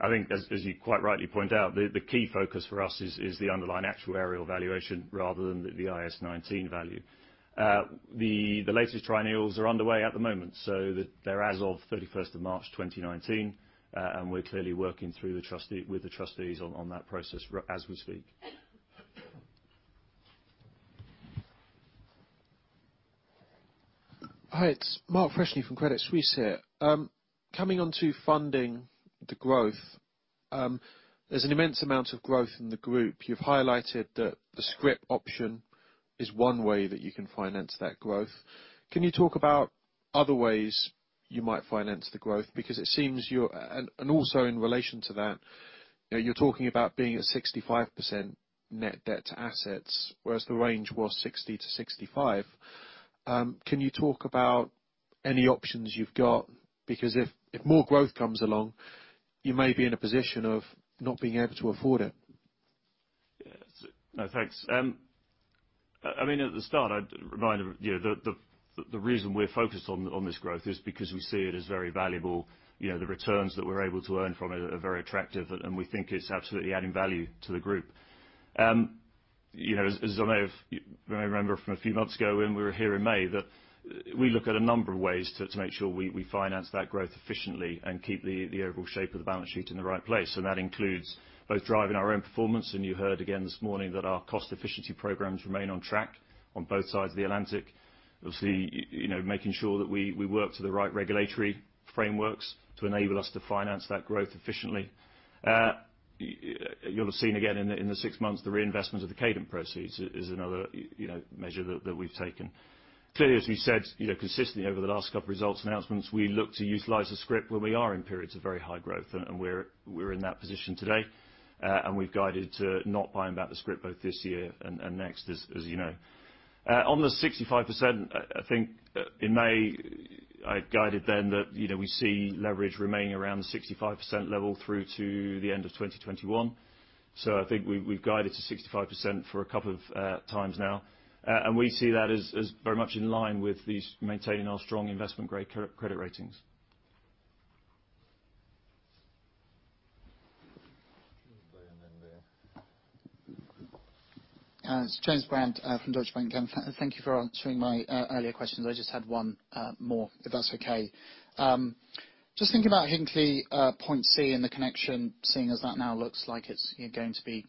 I think, as you quite rightly point out, the key focus for us is the underlying actuarial valuation rather than the IAS 19 value. The latest triennials are underway at the moment. They are as of 31st of March 2019. We are clearly working with the trustees on that process as we speak. Hi. It's Mark Freshney from Credit Suisse here. Coming on to funding the growth, there is an immense amount of growth in the group. You have highlighted that the scrip option is one way that you can finance that growth. Can you talk about other ways you might finance the growth? Because it seems you are, and also in relation to that, you are talking about being at 65% net debt to assets, whereas the range was 60%-65%. Can you talk about any options you have got? Because if more growth comes along, you may be in a position of not being able to afford it. Yeah. No. Thanks. I mean, at the start, I reminded the reason we're focused on this growth is because we see it as very valuable. The returns that we're able to earn from it are very attractive, and we think it's absolutely adding value to the Group. As I may remember from a few months ago when we were here in May, that we look at a number of ways to make sure we finance that growth efficiently and keep the overall shape of the balance sheet in the right place. That includes both driving our own performance. You heard again this morning that our cost efficiency programs remain on track on both sides of the Atlantic. Obviously, making sure that we work to the right regulatory frameworks to enable us to finance that growth efficiently. You'll have seen again in the six months, the reinvestment of the Cadent proceeds is another measure that we've taken. Clearly, as we said consistently over the last couple of results announcements, we look to utilise the scrip when we are in periods of very high growth. We're in that position today. We've guided to not buying back the scrip both this year and next, as you know. On the 65%, I think in May, I guided then that we see leverage remaining around the 65% level through to the end of 2021. I think we've guided to 65% for a couple of times now. We see that as very much in line with maintaining our strong investment-grade credit ratings. It's James Brown from Deutsche Bank. Thank you for answering my earlier questions. I just had one more, if that's okay. Just thinking about Hinkley Point C and the connection, seeing as that now looks like it's going to be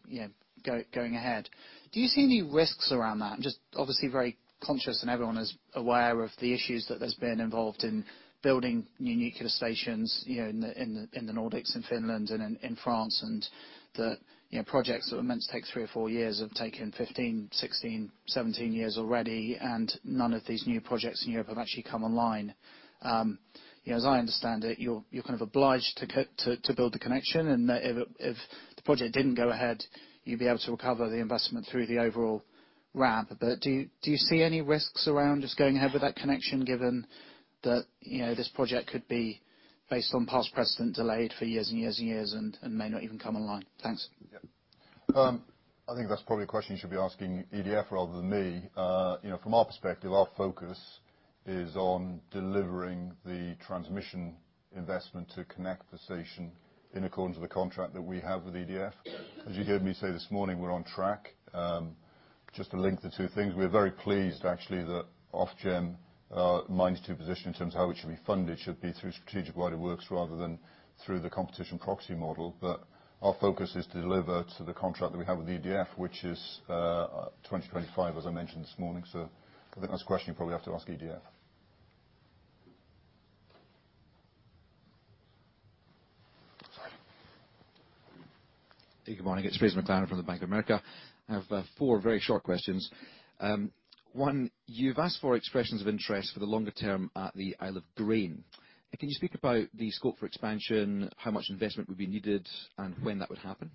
going ahead. Do you see any risks around that? I'm just obviously very conscious and everyone is aware of the issues that there's been involved in building new nuclear stations in the Nordics, in Finland, and in France, and the projects that were meant to take three or four years have taken 15, 16, 17 years already, and none of these new projects in Europe have actually come online. As I understand it, you're kind of obliged to build the connection. If the project didn't go ahead, you'd be able to recover the investment through the overall ramp. But do you see any risks around just going ahead with that connection, given that this project could be based on past precedent, delayed for years and years and years, and may not even come online? Thanks. Yeah. I think that's probably a question you should be asking EDF rather than me. From our perspective, our focus is on delivering the transmission investment to connect the station in accordance with the contract that we have with EDF. As you heard me say this morning, we're on track. Just to link the two things, we're very pleased, actually, that Ofgem's minds to position in terms of how it should be funded should be through strategic wider works rather than through the competition proxy model. Our focus is to deliver to the contract that we have with EDF, which is 2025, as I mentioned this morning. I think that's a question you probably have to ask EDF. Sorry. Hey. Good morning. It's Fraser McLaren from the Bank of America. I have four very short questions. One, you've asked for expressions of interest for the longer term at the Isle of Grain. Can you speak about the scope for expansion, how much investment would be needed, and when that would happen?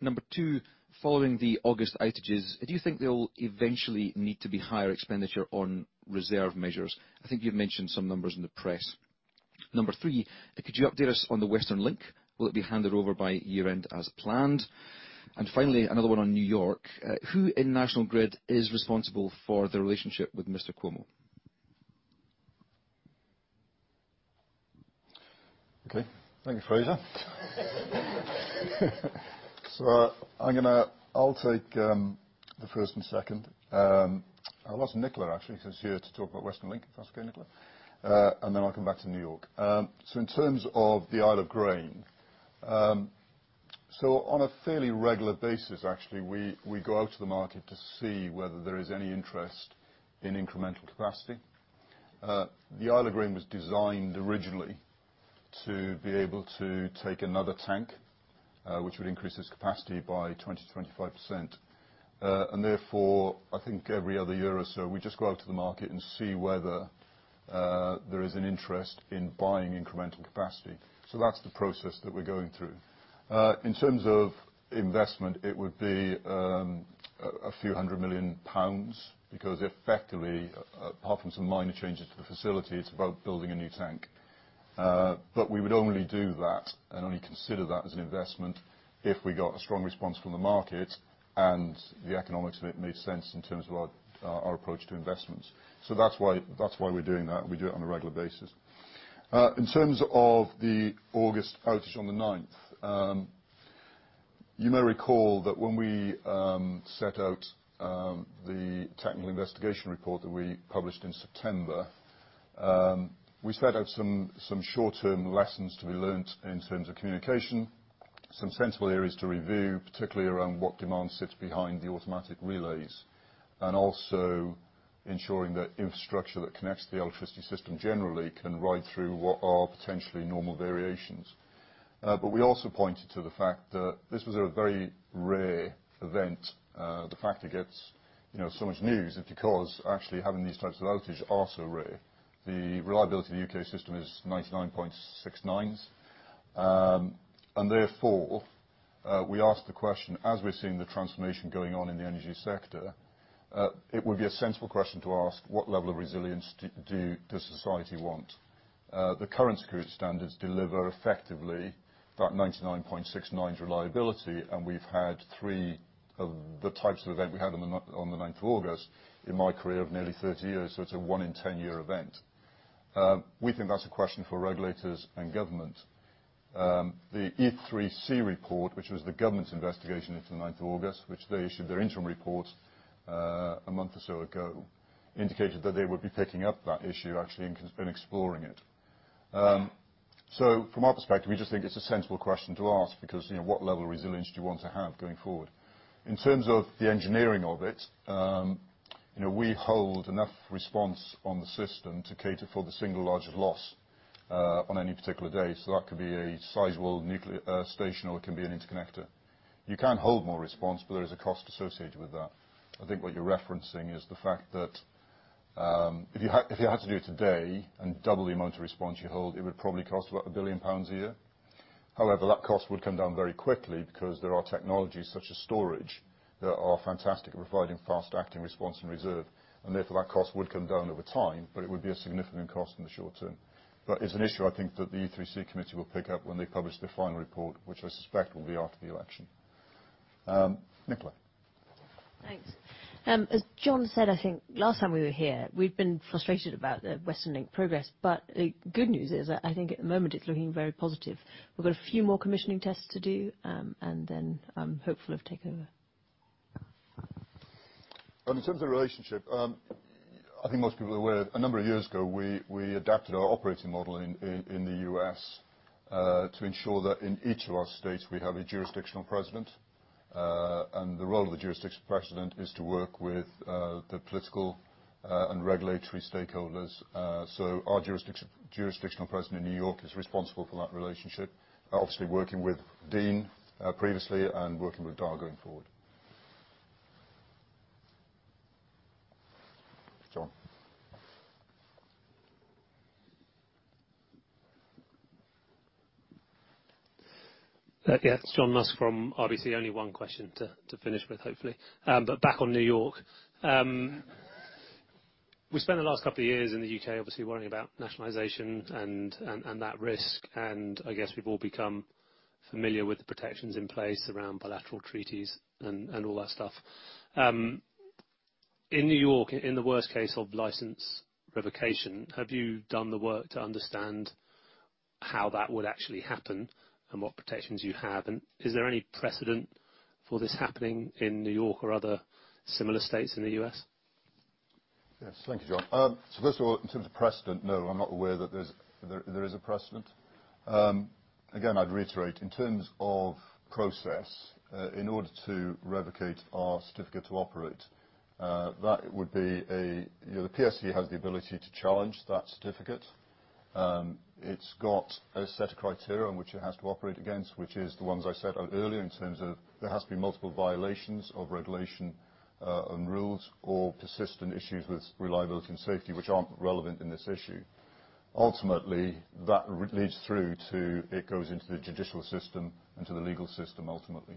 Number two, following the August outages, do you think there will eventually need to be higher expenditure on reserve measures? I think you've mentioned some numbers in the press. Number three, could you update us on the Western Link? Will it be handed over by year-end as planned? Finally, another one on New York. Who in National Grid is responsible for the relationship with Mr. Cuomo? Okay. Thank you, Fraser. I'll take the first and second. I'll ask Nicola, actually, who's here to talk about Western Link. If that's okay, Nicola. I'll come back to New York. In terms of the Isle of Grain, on a fairly regular basis, actually, we go out to the market to see whether there is any interest in incremental capacity. The Isle of Grain was designed originally to be able to take another tank, which would increase its capacity by 20%-25%. I think every other year or so, we just go out to the market and see whether there is an interest in buying incremental capacity. That's the process that we're going through. In terms of investment, it would be a few hundred million GBP because, effectively, apart from some minor changes to the facility, it's about building a new tank. We would only do that and only consider that as an investment if we got a strong response from the market and the economics of it made sense in terms of our approach to investments. That is why we are doing that. We do it on a regular basis. In terms of the August outage on the 9th, you may recall that when we set out the technical investigation report that we published in September, we set out some short-term lessons to be learned in terms of communication, some sensible areas to review, particularly around what demand sits behind the automatic relays, and also ensuring that infrastructure that connects the electricity system generally can ride through what are potentially normal variations. We also pointed to the fact that this was a very rare event. The fact it gets so much news is because, actually, having these types of outages are so rare. The reliability of the U.K. system is 99.69%. Therefore, we asked the question, as we're seeing the transformation going on in the energy sector, it would be a sensible question to ask what level of resilience does society want? The current security standards deliver effectively that 99.69% reliability. We've had three of the types of event we had on the 9th of August in my career of nearly 30 years. It is a one-in-10-year event. We think that's a question for regulators and government. The E3C report, which was the government's investigation into the 9th of August, which they issued their interim reports a month or so ago, indicated that they would be picking up that issue, actually, and exploring it. From our perspective, we just think it's a sensible question to ask because what level of resilience do you want to have going forward? In terms of the engineering of it, we hold enough response on the system to cater for the single largest loss on any particular day. That could be a sizable nuclear station, or it can be an interconnector. You can hold more response, but there is a cost associated with that. I think what you're referencing is the fact that if you had to do it today and double the amount of response you hold, it would probably cost about 1 billion pounds a year. However, that cost would come down very quickly because there are technologies such as storage that are fantastic at providing fast-acting response and reserve. Therefore, that cost would come down over time, but it would be a significant cost in the short term. It is an issue, I think, that the E3C committee will pick up when they publish their final report, which I suspect will be after the election. Nicola. Thanks. As John said, I think last time we were here, we had been frustrated about the Western Link progress. The good news is, I think at the moment, it is looking very positive. We have a few more commissioning tests to do, and then I am hopeful of takeover. In terms of relationship, I think most people are aware. A number of years ago, we adapted our operating model in the U.S. to ensure that in each of our states, we have a jurisdictional president. The role of the jurisdictional president is to work with the political and regulatory stakeholders. Our jurisdictional president in New York is responsible for that relationship, obviously working with Dean previously and working with Badar going forward. John. Yeah. It's John Musk from RBC. Only one question to finish with, hopefully. Back on New York. We spent the last couple of years in the U.K., obviously worrying about nationalisation and that risk. I guess we've all become familiar with the protections in place around bilateral treaties and all that stuff. In New York, in the worst case of licence revocation, have you done the work to understand how that would actually happen and what protections you have? Is there any precedent for this happening in New York or other similar states in the U.S.? Yes. Thank you, John. First of all, in terms of precedent, no, I'm not aware that there is a precedent. Again, I'd reiterate, in terms of process, in order to revoke our certificate to operate, that would be the PSC has the ability to challenge that certificate. It's got a set of criteria on which it has to operate against, which is the ones I said earlier in terms of there has to be multiple violations of regulation and rules or persistent issues with reliability and safety, which aren't relevant in this issue. Ultimately, that leads through to it goes into the judicial system and to the legal system, ultimately.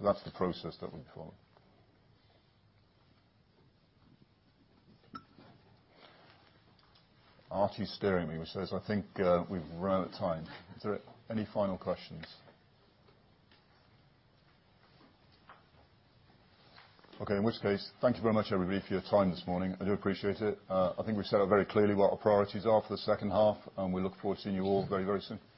That's the process that we're following. Aarti's staring at me, which says, "I think we've run out of time." Is there any final questions? Okay. In which case, thank you very much, everybody, for your time this morning. I do appreciate it. I think we've set out very clearly what our priorities are for the second half, and we look forward to seeing you all very, very soon.